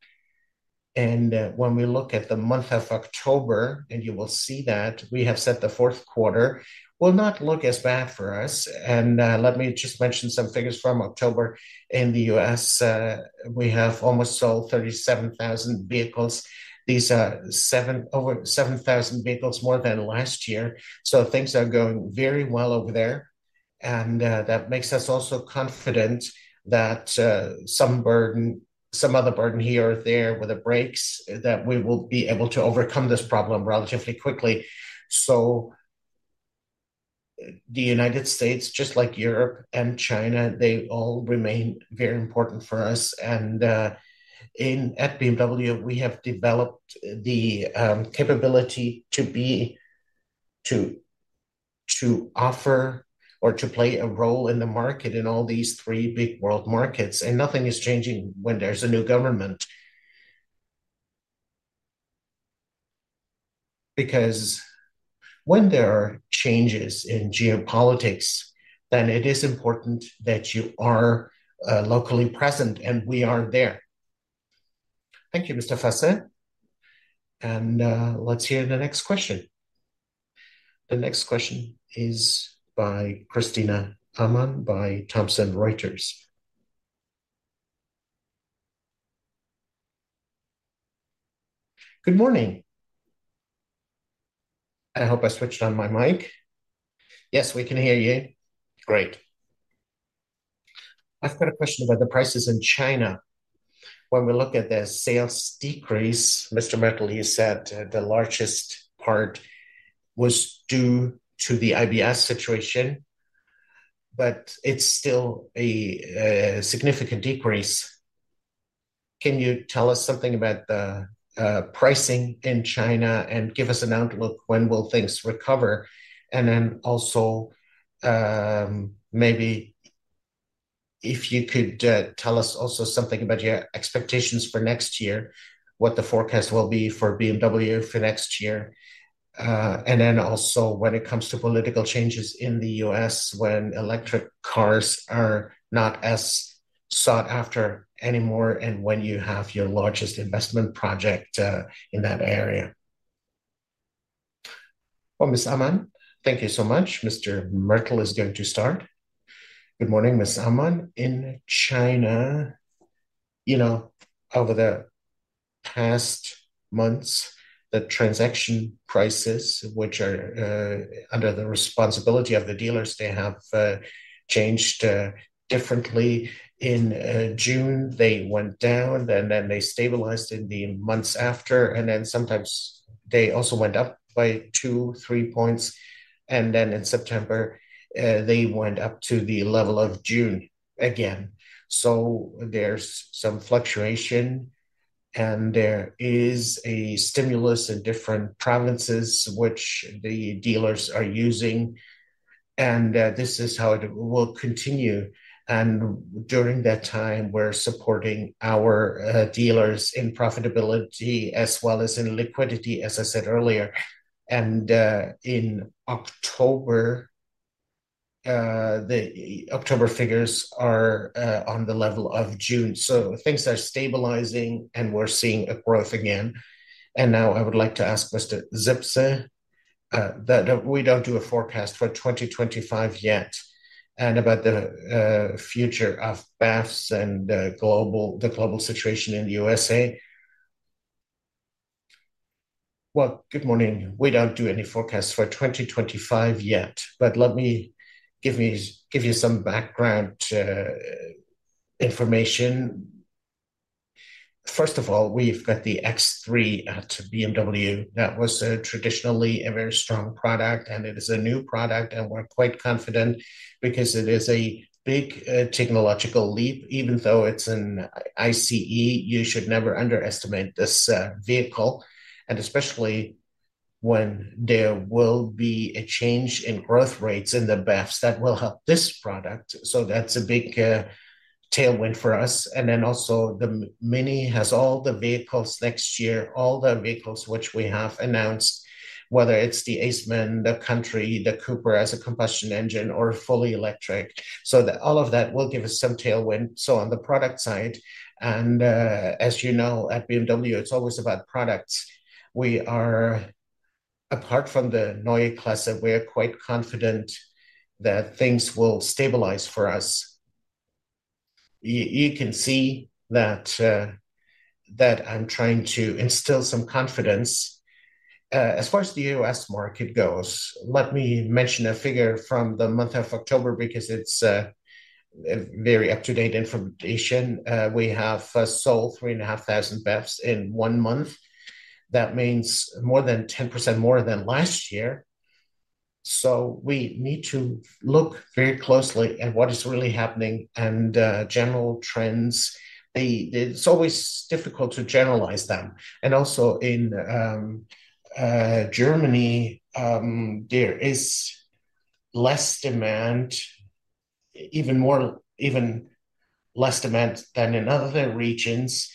And when we look at the month of October, and you will see that we have said the fourth quarter will not look as bad for us. And let me just mention some figures from October. In the U.S., we have almost sold 37,000 vehicles. These are over 7,000 vehicles more than last year. So things are going very well over there. And that makes us also confident that some other burden here or there with the brakes, that we will be able to overcome this problem relatively quickly. So the United States, just like Europe and China, they all remain very important for us. And at BMW, we have developed the capability to offer or to play a role in the market in all these three big world markets. And nothing is changing when there's a new government. Because when there are changes in geopolitics, then it is important that you are locally present, and we are there. Thank you, Mr. Fasse. And let's hear the next question. The next question is by Christina Amann by Thomson Reuters. Good morning. I hope I switched on my mic. Yes, we can hear you. Great. I've got a question about the prices in China. When we look at their sales decrease, Mr. Mertl, you said the largest part was due to the IBS situation, but it's still a significant decrease. Can you tell us something about the pricing in China and give us an outlook when will things recover? And then also maybe if you could tell us also something about your expectations for next year, what the forecast will be for BMW for next year. And then also when it comes to political changes in the U.S., when electric cars are not as sought after anymore, and when you have your largest investment project in that area. Well, Ms. Amann, thank you so much. Mr. Mertl is going to start. Good morning, Ms. Amann. In China, over the past months, the transaction prices, which are under the responsibility of the dealers, they have changed differently. In June, they went down, and then they stabilized in the months after. And then sometimes they also went up by two, three points. And then in September, they went up to the level of June again. So there's some fluctuation, and there is a stimulus in different provinces, which the dealers are using. And this is how it will continue. And during that time, we're supporting our dealers in profitability as well as in liquidity, as I said earlier. And in October, the October figures are on the level of June. So things are stabilizing, and we're seeing a growth again. And now I would like to ask Mr. Zipse that we don't do a forecast for 2025 yet. About the future of BAFSA and the global situation in the USA. Good morning. We don't do any forecasts for 2025 yet, but let me give you some background information. First of all, we've got the X3 at BMW. That was traditionally a very strong product, and it is a new product. We're quite confident because it is a big technological leap. Even though it's an ICE, you should never underestimate this vehicle. Especially when there will be a change in growth rates in the BAFSA, that will help this product. That's a big tailwind for us. Then also the Mini has all the vehicles next year, all the vehicles which we have announced, whether it's the Aceman, the Countryman, the Cooper as a combustion engine, or fully electric. All of that will give us some tailwind. On the product side, and as you know, at BMW, it's always about products. Apart from the Neue Klasse, we are quite confident that things will stabilize for us. You can see that I'm trying to instill some confidence. As far as the U.S. market goes, let me mention a figure from the month of October because it's very up-to-date information. We have sold 3,500 BAFSA in one month. That means more than 10% more than last year. So we need to look very closely at what is really happening and general trends. It's always difficult to generalize them, and also in Germany, there is less demand, even less demand than in other regions,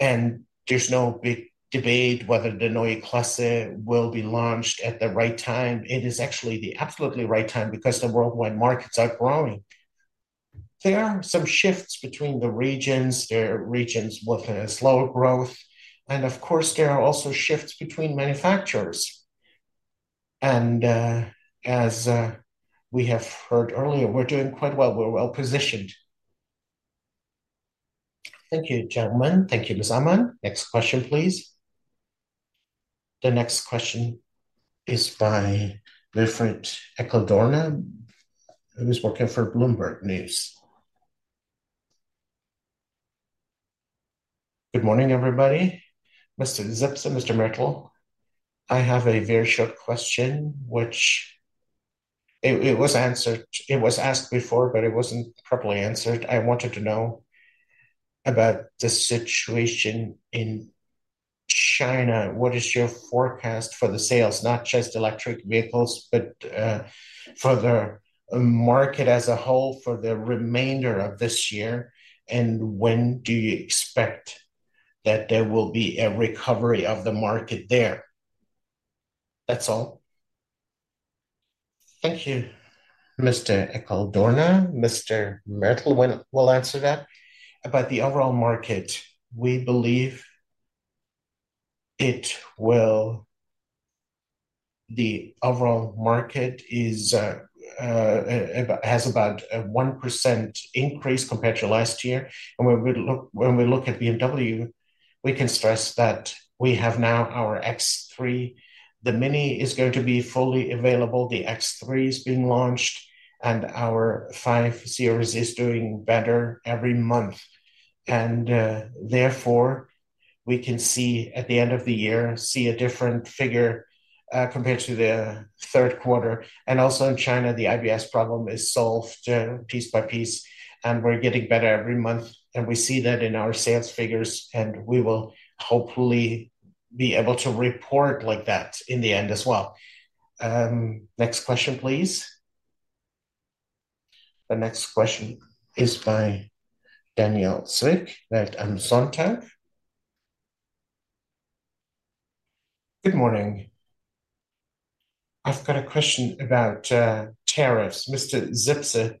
and there's no big debate whether the Neue Klasse will be launched at the right time. It is actually the absolutely right time because the worldwide markets are growing. There are some shifts between the regions. There are regions with slower growth. And of course, there are also shifts between manufacturers. And as we have heard earlier, we're doing quite well. We're well positioned. Thank you, gentlemen. Thank you, Ms. Amann. Next question, please. The next question is by Wilfried Eckl-Dorna, who's working for Bloomberg News. Good morning, everybody. Mr. Zipse, Mr. Mertl, I have a very short question, which it was asked before, but it wasn't properly answered. I wanted to know about the situation in China. What is your forecast for the sales, not just electric vehicles, but for the market as a whole for the remainder of this year? And when do you expect that there will be a recovery of the market there? That's all. Thank you, Mr. Eckl-Dorna. Mr. Mertl will answer that. About the overall market, we believe the overall market has about a 1% increase compared to last year. And when we look at BMW, we can stress that we have now our X3. The Mini is going to be fully available. The X3 is being launched, and our 5 Series is doing better every month. And therefore, we can see at the end of the year a different figure compared to the third quarter. And also in China, the IBS problem is solved piece by piece, and we're getting better every month. And we see that in our sales figures, and we will hopefully be able to report like that in the end as well. Next question, please. The next question is by Daniel Zwick at Welt am Sonntag. Good morning. I've got a question about tariffs. Mr. Zipse,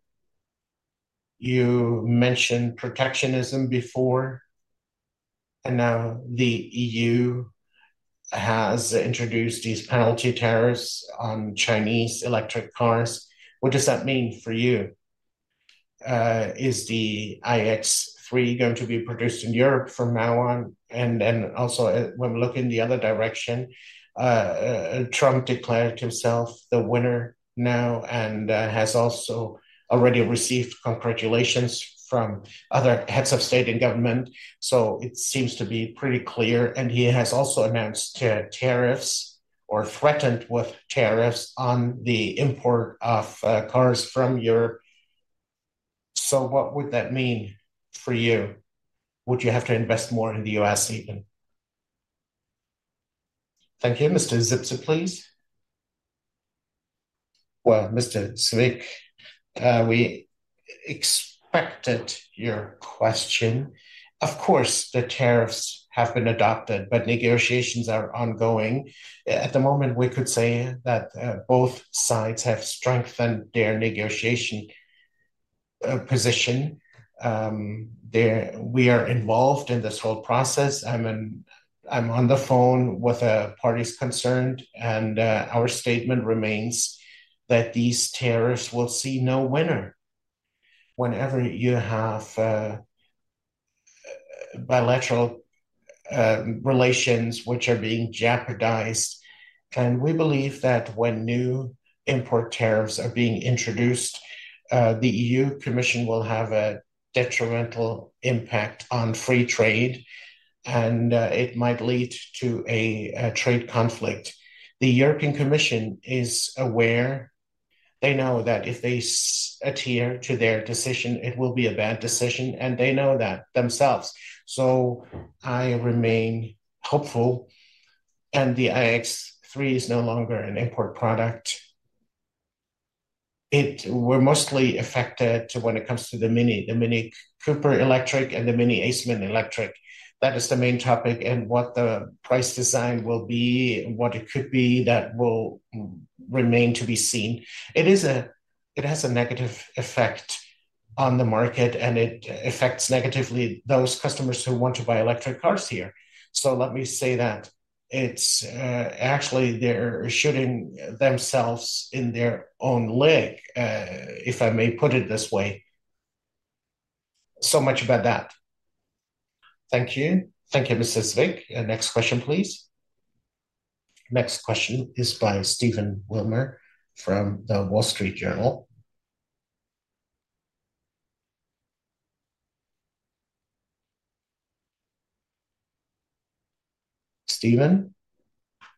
you mentioned protectionism before, and now the EU has introduced these penalty tariffs on Chinese electric cars. What does that mean for you? Is the iX3 going to be produced in Europe from now on? And then also when we look in the other direction, Trump declared himself the winner now and has also already received congratulations from other heads of state and government. So it seems to be pretty clear. And he has also announced tariffs or threatened with tariffs on the import of cars from Europe. So what would that mean for you? Would you have to invest more in the U.S. even? Thank you. Mr. Zipse, please. Well, Mr. Zwick, we expected your question. Of course, the tariffs have been adopted, but negotiations are ongoing. At the moment, we could say that both sides have strengthened their negotiation position. We are involved in this whole process. I'm on the phone with parties concerned, and our statement remains that these tariffs will see no winner. Whenever you have bilateral relations which are being jeopardized, and we believe that when new import tariffs are being introduced, the E.U. Commission will have a detrimental impact on free trade, and it might lead to a trade conflict. The European Commission is aware. They know that if they adhere to their decision, it will be a bad decision, and they know that themselves. So I remain hopeful, and the iX3 is no longer an import product. We're mostly affected when it comes to the Mini, the Mini Cooper Electric, and the Mini Aceman Electric. That is the main topic, and what the price design will be, what it could be, that will remain to be seen. It has a negative effect on the market, and it affects negatively those customers who want to buy electric cars here. So let me say that it's actually they're shooting themselves in their own leg, if I may put it this way. So much about that. Thank you. Thank you, Mr. Zwick. Next question, please. Next question is by Stephen Wilmot from the Wall Street Journal. Stephen,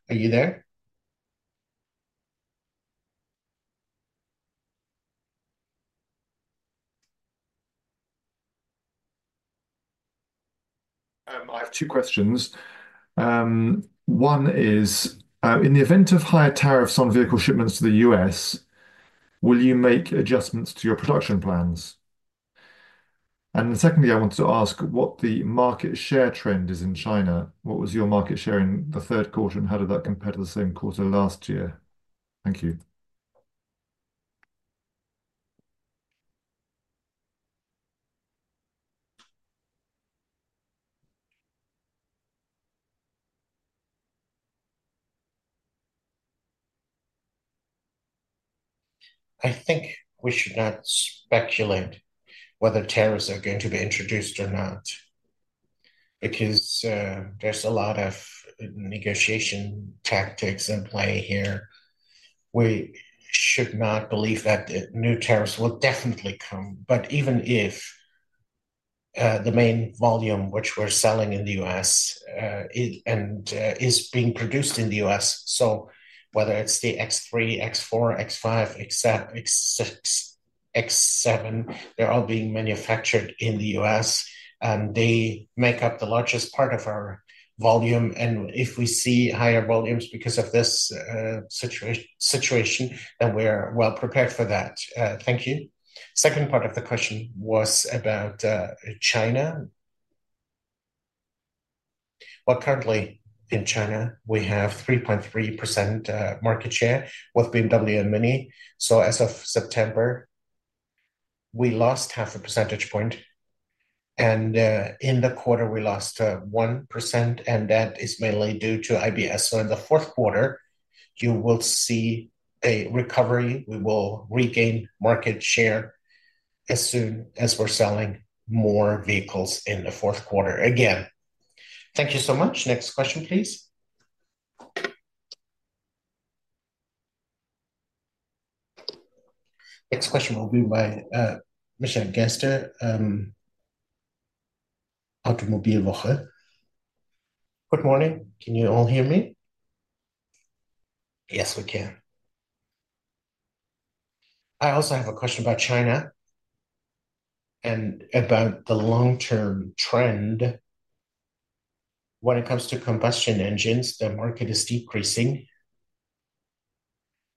are you there? I have two questions. One is, in the event of higher tariffs on vehicle shipments to the U.S., will you make adjustments to your production plans? And secondly, I want to ask what the market share trend is in China. What was your market share in the third quarter, and how did that compare to the same quarter last year? Thank you. I think we should not speculate whether tariffs are going to be introduced or not because there's a lot of negotiation tactics in play here. We should not believe that new tariffs will definitely come. Even if the main volume which we're selling in the U.S. is being produced in the U.S., so whether it's the X3, X4, X5, X6, X7, they're all being manufactured in the U.S., and they make up the largest part of our volume. If we see higher volumes because of this situation, then we're well prepared for that. Thank you. Second part of the question was about China. Currently in China, we have 3.3% market share with BMW and Mini. As of September, we lost half a percentage point. In the quarter, we lost 1%, and that is mainly due to IBS. So in the fourth quarter, you will see a recovery. We will regain market share as soon as we're selling more vehicles in the fourth quarter again. Thank you so much. Next question, please. Next question will be by Michael Gerster, Automobilwoche. Good morning. Can you all hear me? Yes, we can. I also have a question about China and about the long-term trend. When it comes to combustion engines, the market is decreasing.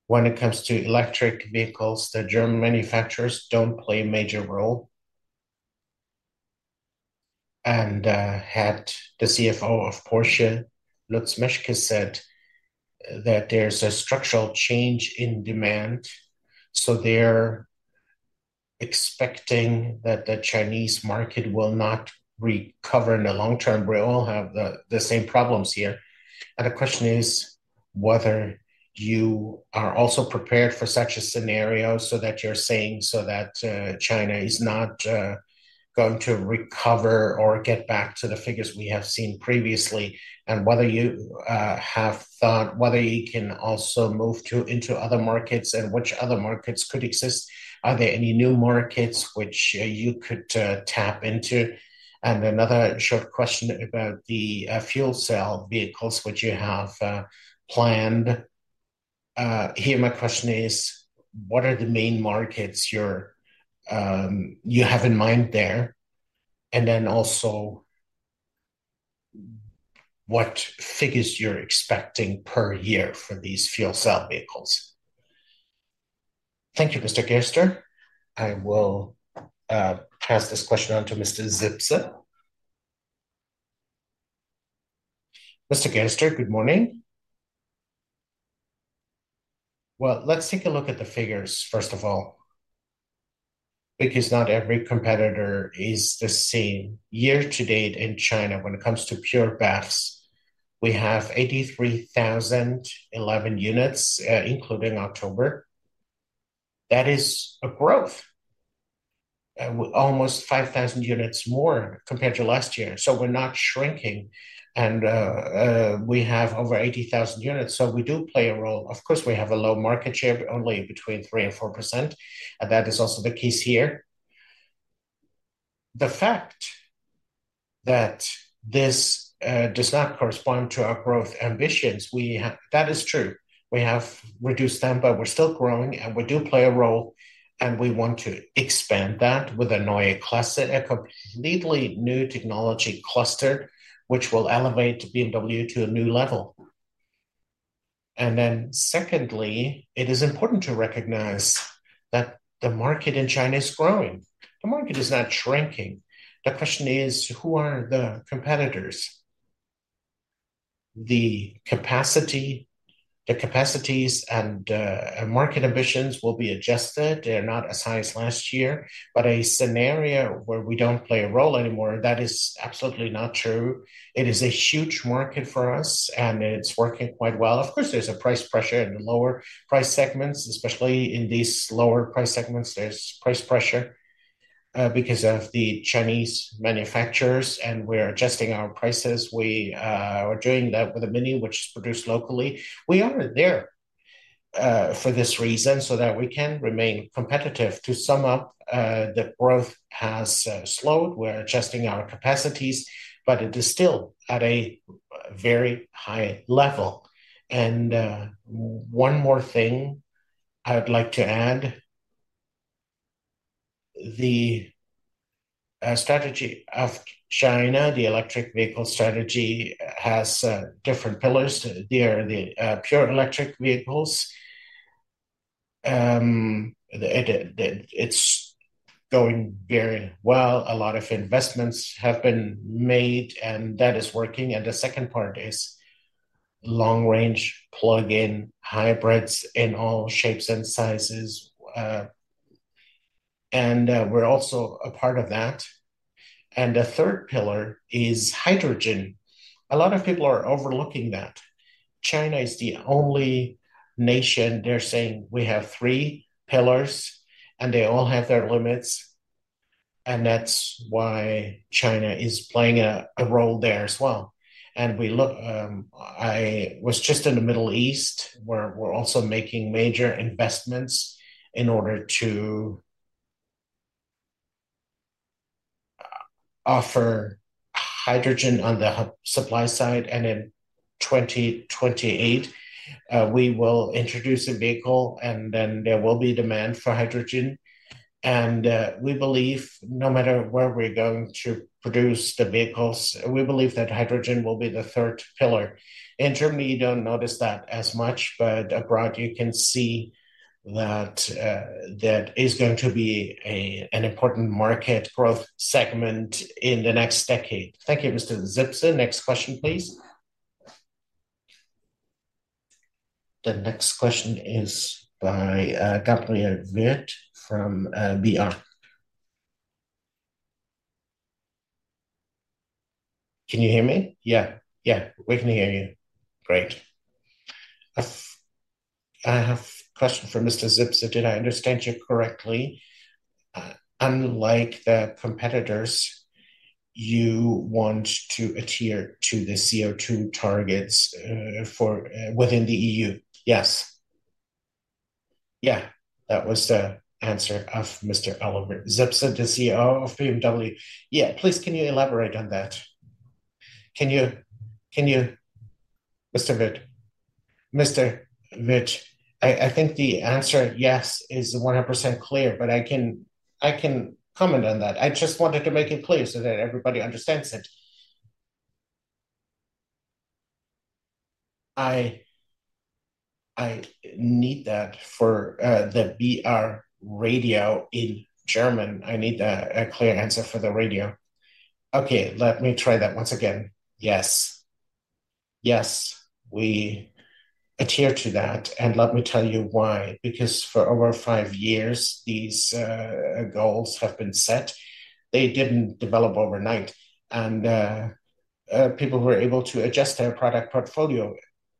When it comes to electric vehicles, the German manufacturers don't play a major role. And the CFO of Porsche, Lutz Meschke, said that there's a structural change in demand. So they're expecting that the Chinese market will not recover in the long term. We all have the same problems here. The question is whether you are also prepared for such a scenario so that you're saying that China is not going to recover or get back to the figures we have seen previously, and whether you have thought whether you can also move into other markets and which other markets could exist. Are there any new markets which you could tap into? Another short question about the fuel cell vehicles which you have planned. Here, my question is, what are the main markets you have in mind there? And then also, what figures you're expecting per year for these fuel cell vehicles? Thank you, Mr. Gerster. I will pass this question on to Mr. Zipse. Mr. Gerster, good morning. Let's take a look at the figures, first of all, because not every competitor is the same. Year-to-date in China, when it comes to pure BEV sales, we have 83,011 units, including October. That is a growth, almost 5,000 units more compared to last year, so we're not shrinking, and we have over 80,000 units, so we do play a role. Of course, we have a low market share, but only between 3% and 4%, and that is also the case here. The fact that this does not correspond to our growth ambitions, that is true. We have reduced them, but we're still growing, and we do play a role, and we want to expand that with a Neue Klasse, a completely new technology cluster, which will elevate BMW to a new level, and then secondly, it is important to recognize that the market in China is growing. The market is not shrinking. The question is, who are the competitors? The capacities and market ambitions will be adjusted. They're not as high as last year. But a scenario where we don't play a role anymore, that is absolutely not true. It is a huge market for us, and it's working quite well. Of course, there's a price pressure in the lower price segments, especially in these lower price segments. There's price pressure because of the Chinese manufacturers, and we're adjusting our prices. We are doing that with a Mini, which is produced locally. We are there for this reason so that we can remain competitive. To sum up, the growth has slowed. We're adjusting our capacities, but it is still at a very high level. And one more thing I would like to add: the strategy of China, the electric vehicle strategy, has different pillars. There are the pure electric vehicles. It's going very well. A lot of investments have been made, and that is working. And the second part is long-range plug-in hybrids in all shapes and sizes. And we're also a part of that. And the third pillar is hydrogen. A lot of people are overlooking that. China is the only nation. They're saying we have three pillars, and they all have their limits. And that's why China is playing a role there as well. And I was just in the Middle East where we're also making major investments in order to offer hydrogen on the supply side. And in 2028, we will introduce a vehicle, and then there will be demand for hydrogen. And we believe no matter where we're going to produce the vehicles, we believe that hydrogen will be the third pillar. In Germany, you don't notice that as much, but abroad, you can see that that is going to be an important market growth segment in the next decade. Thank you, Mr. Zipse. Next question, please. The next question is by Gabriel Wirth from BR. Can you hear me? Yeah. Yeah. We can hear you. Great. I have a question for Mr. Zipse. Did I understand you correctly? Unlike the competitors, you want to adhere to the CO2 targets within the EU. Yes. Yeah. That was the answer of Mr. Oliver Zipse, the CEO of BMW. Yeah. Please, can you elaborate on that? Can you, Mr. Wirth? Mr. Wirth, I think the answer, yes, is 100% clear, but I can comment on that. I just wanted to make it clear so that everybody understands it. I need that for the BR radio in German. I need a clear answer for the radio. Okay. Let me try that once again. Yes. Yes. We adhere to that. And let me tell you why. Because for over five years, these goals have been set. They didn't develop overnight. And people were able to adjust their product portfolio.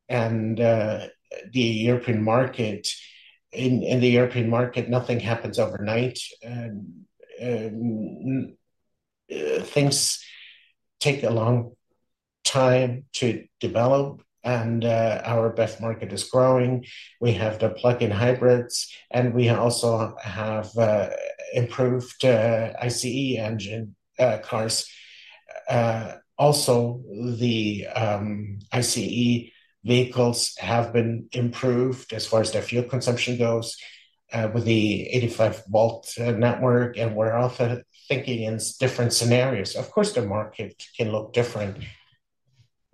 And in the European market, nothing happens overnight. Things take a long time to develop. And our BEV market is growing. We have the plug-in hybrids, and we also have improved ICE engine cars. Also, the ICE vehicles have been improved as far as their fuel consumption goes with the 48-volt network. And we're also thinking in different scenarios. Of course, the market can look different.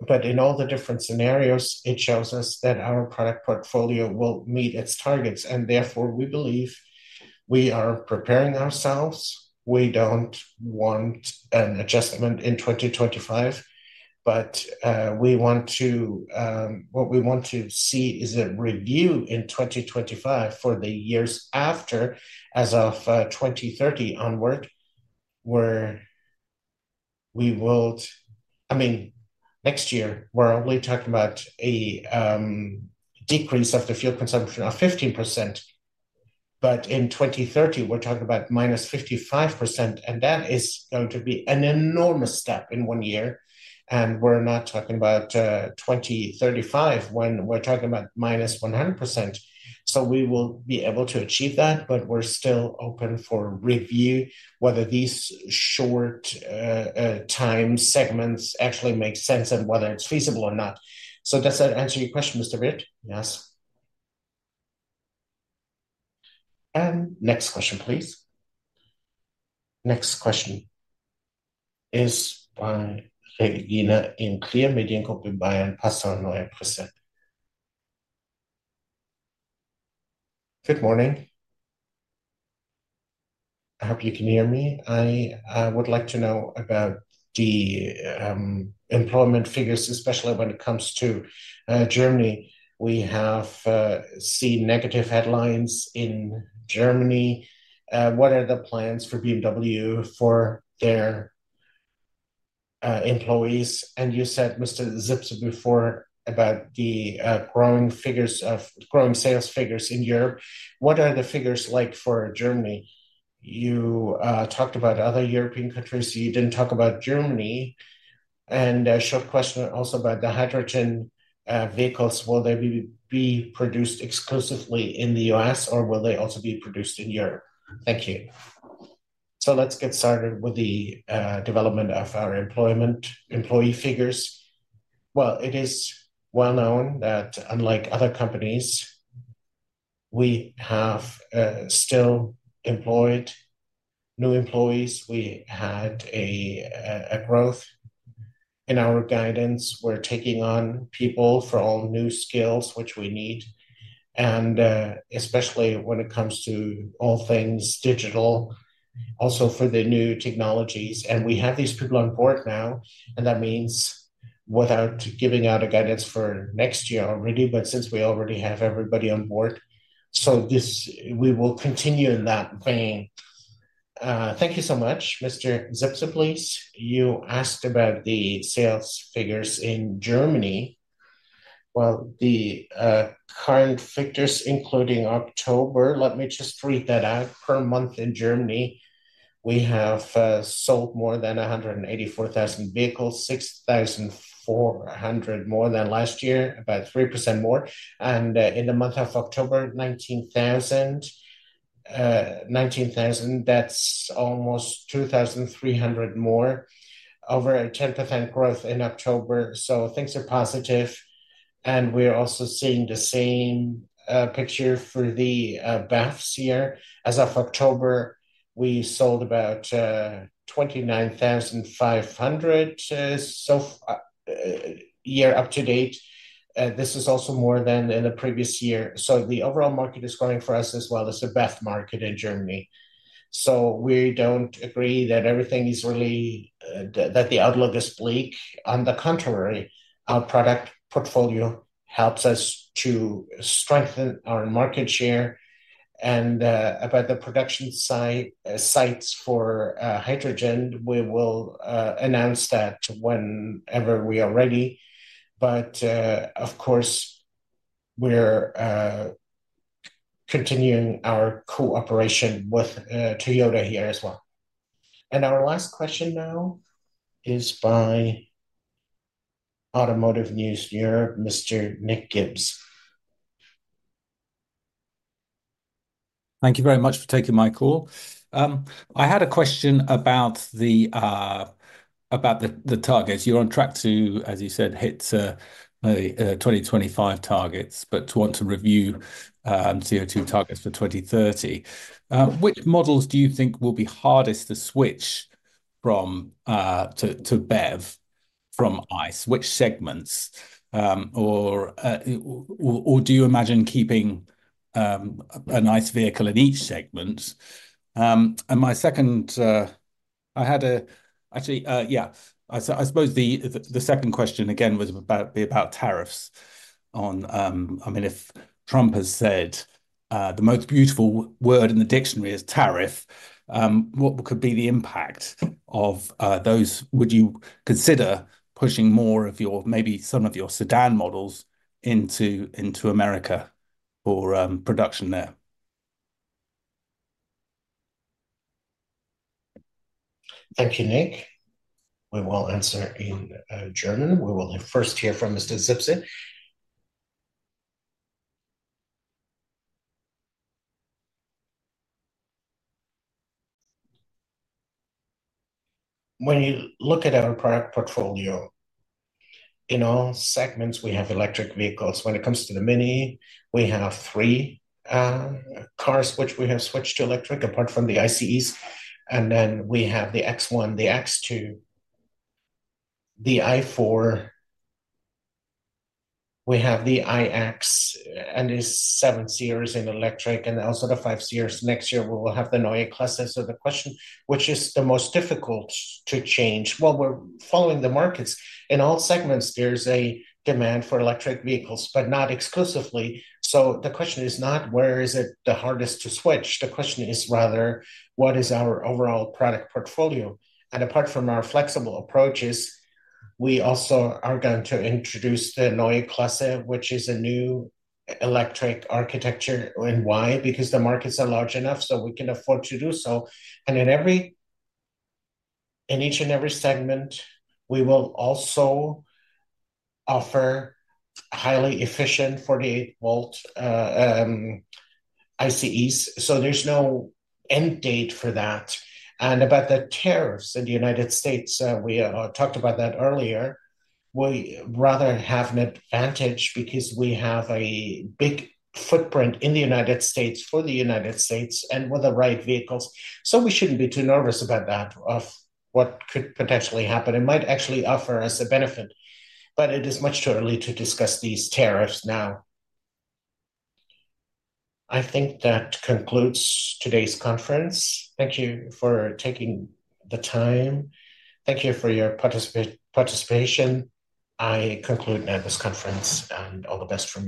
But in all the different scenarios, it shows us that our product portfolio will meet its targets. And therefore, we believe we are preparing ourselves. We don't want an adjustment in 2025, but what we want to see is a review in 2025 for the years after as of 2030 onward, where we will—I mean, next year, we're only talking about a decrease of the fuel consumption of 15%. But in 2030, we're talking about minus 55%. And that is going to be an enormous step in one year. And we're not talking about 2035 when we're talking about minus 100%. So we will be able to achieve that, but we're still open for review whether these short-time segments actually make sense and whether it's feasible or not. So does that answer your question, Mr. Wirth? Yes. And next question, please. Next question is by Regina Klier, Passauer Neue Presse. Good morning. I hope you can hear me. I would like to know about the employment figures, especially when it comes to Germany. We have seen negative headlines in Germany. What are the plans for BMW for their employees? And you said, Mr. Zipse, before about the growing sales figures in Europe. What are the figures like for Germany? You talked about other European countries. You didn't talk about Germany. And a short question also about the hydrogen vehicles. Will they be produced exclusively in the U.S., or will they also be produced in Europe? Thank you. Let's get started with the development of our employee figures. It is well known that unlike other companies, we have still employed new employees. We had a growth in our guidance. We're taking on people for all new skills, which we need, and especially when it comes to all things digital, also for the new technologies. We have these people on board now. And that means without giving out a guidance for next year already, but since we already have everybody on board, so we will continue in that vein. Thank you so much. Mr. Zipse, please. You asked about the sales figures in Germany. Well, the current figures, including October, let me just read that out. Per month in Germany, we have sold more than 184,000 vehicles, 6,400 more than last year, about 3% more. And in the month of October, 19,000. 19,000, that's almost 2,300 more, over a 10% growth in October. So things are positive. And we're also seeing the same picture for the BEVs here. As of October, we sold about 29,500 year-to-date. This is also more than in the previous year. So the overall market is growing for us as well as the BEV market in Germany. So we don't agree that everything is really that the outlook is bleak. On the contrary, our product portfolio helps us to strengthen our market share. And about the production sites for hydrogen, we will announce that whenever we are ready. But of course, we're continuing our cooperation with Toyota here as well. And our last question now is by Automotive News Europe, Mr. Nick Gibbs. Thank you very much for taking my call. I had a question about the targets. You're on track to, as you said, hit the 2025 targets, but to want to review CO2 targets for 2030. Which models do you think will be hardest to switch to BEV from ICE? Which segments? Or do you imagine keeping an ICE vehicle in each segment? And my second, actually, yeah. I suppose the second question again would be about tariffs. I mean, if Trump has said the most beautiful word in the dictionary is tariff, what could be the impact of those? Would you consider pushing more of your, maybe some of your sedan models into America for production there? Thank you, Nick. We will answer in German. We will first hear from Mr. Zipse. When you look at our product portfolio, in all segments, we have electric vehicles. When it comes to the Mini, we have three cars which we have switched to electric, apart from the ICEs. And then we have the X1, the X2, the i4. We have the iX and the 7 Series in electric, and also the 5 Series. Next year, we will have the Neue Klasse. So the question, which is the most difficult to change? Well, we're following the markets. In all segments, there's a demand for electric vehicles, but not exclusively. So the question is not, where is it the hardest to switch? The question is rather, what is our overall product portfolio? And apart from our flexible approaches, we also are going to introduce the Neue Klasse, which is a new electric architecture. And why? Because the markets are large enough, so we can afford to do so. And in each and every segment, we will also offer highly efficient 48-volt ICEs. So there's no end date for that. And about the tariffs in the United States, we talked about that earlier. We rather have an advantage because we have a big footprint in the United States for the United States and with the right vehicles. So we shouldn't be too nervous about that, of what could potentially happen. It might actually offer us a benefit. But it is much too early to discuss these tariffs now. I think that concludes today's conference. Thank you for taking the time. Thank you for your participation. I conclude now this conference, and all the best from.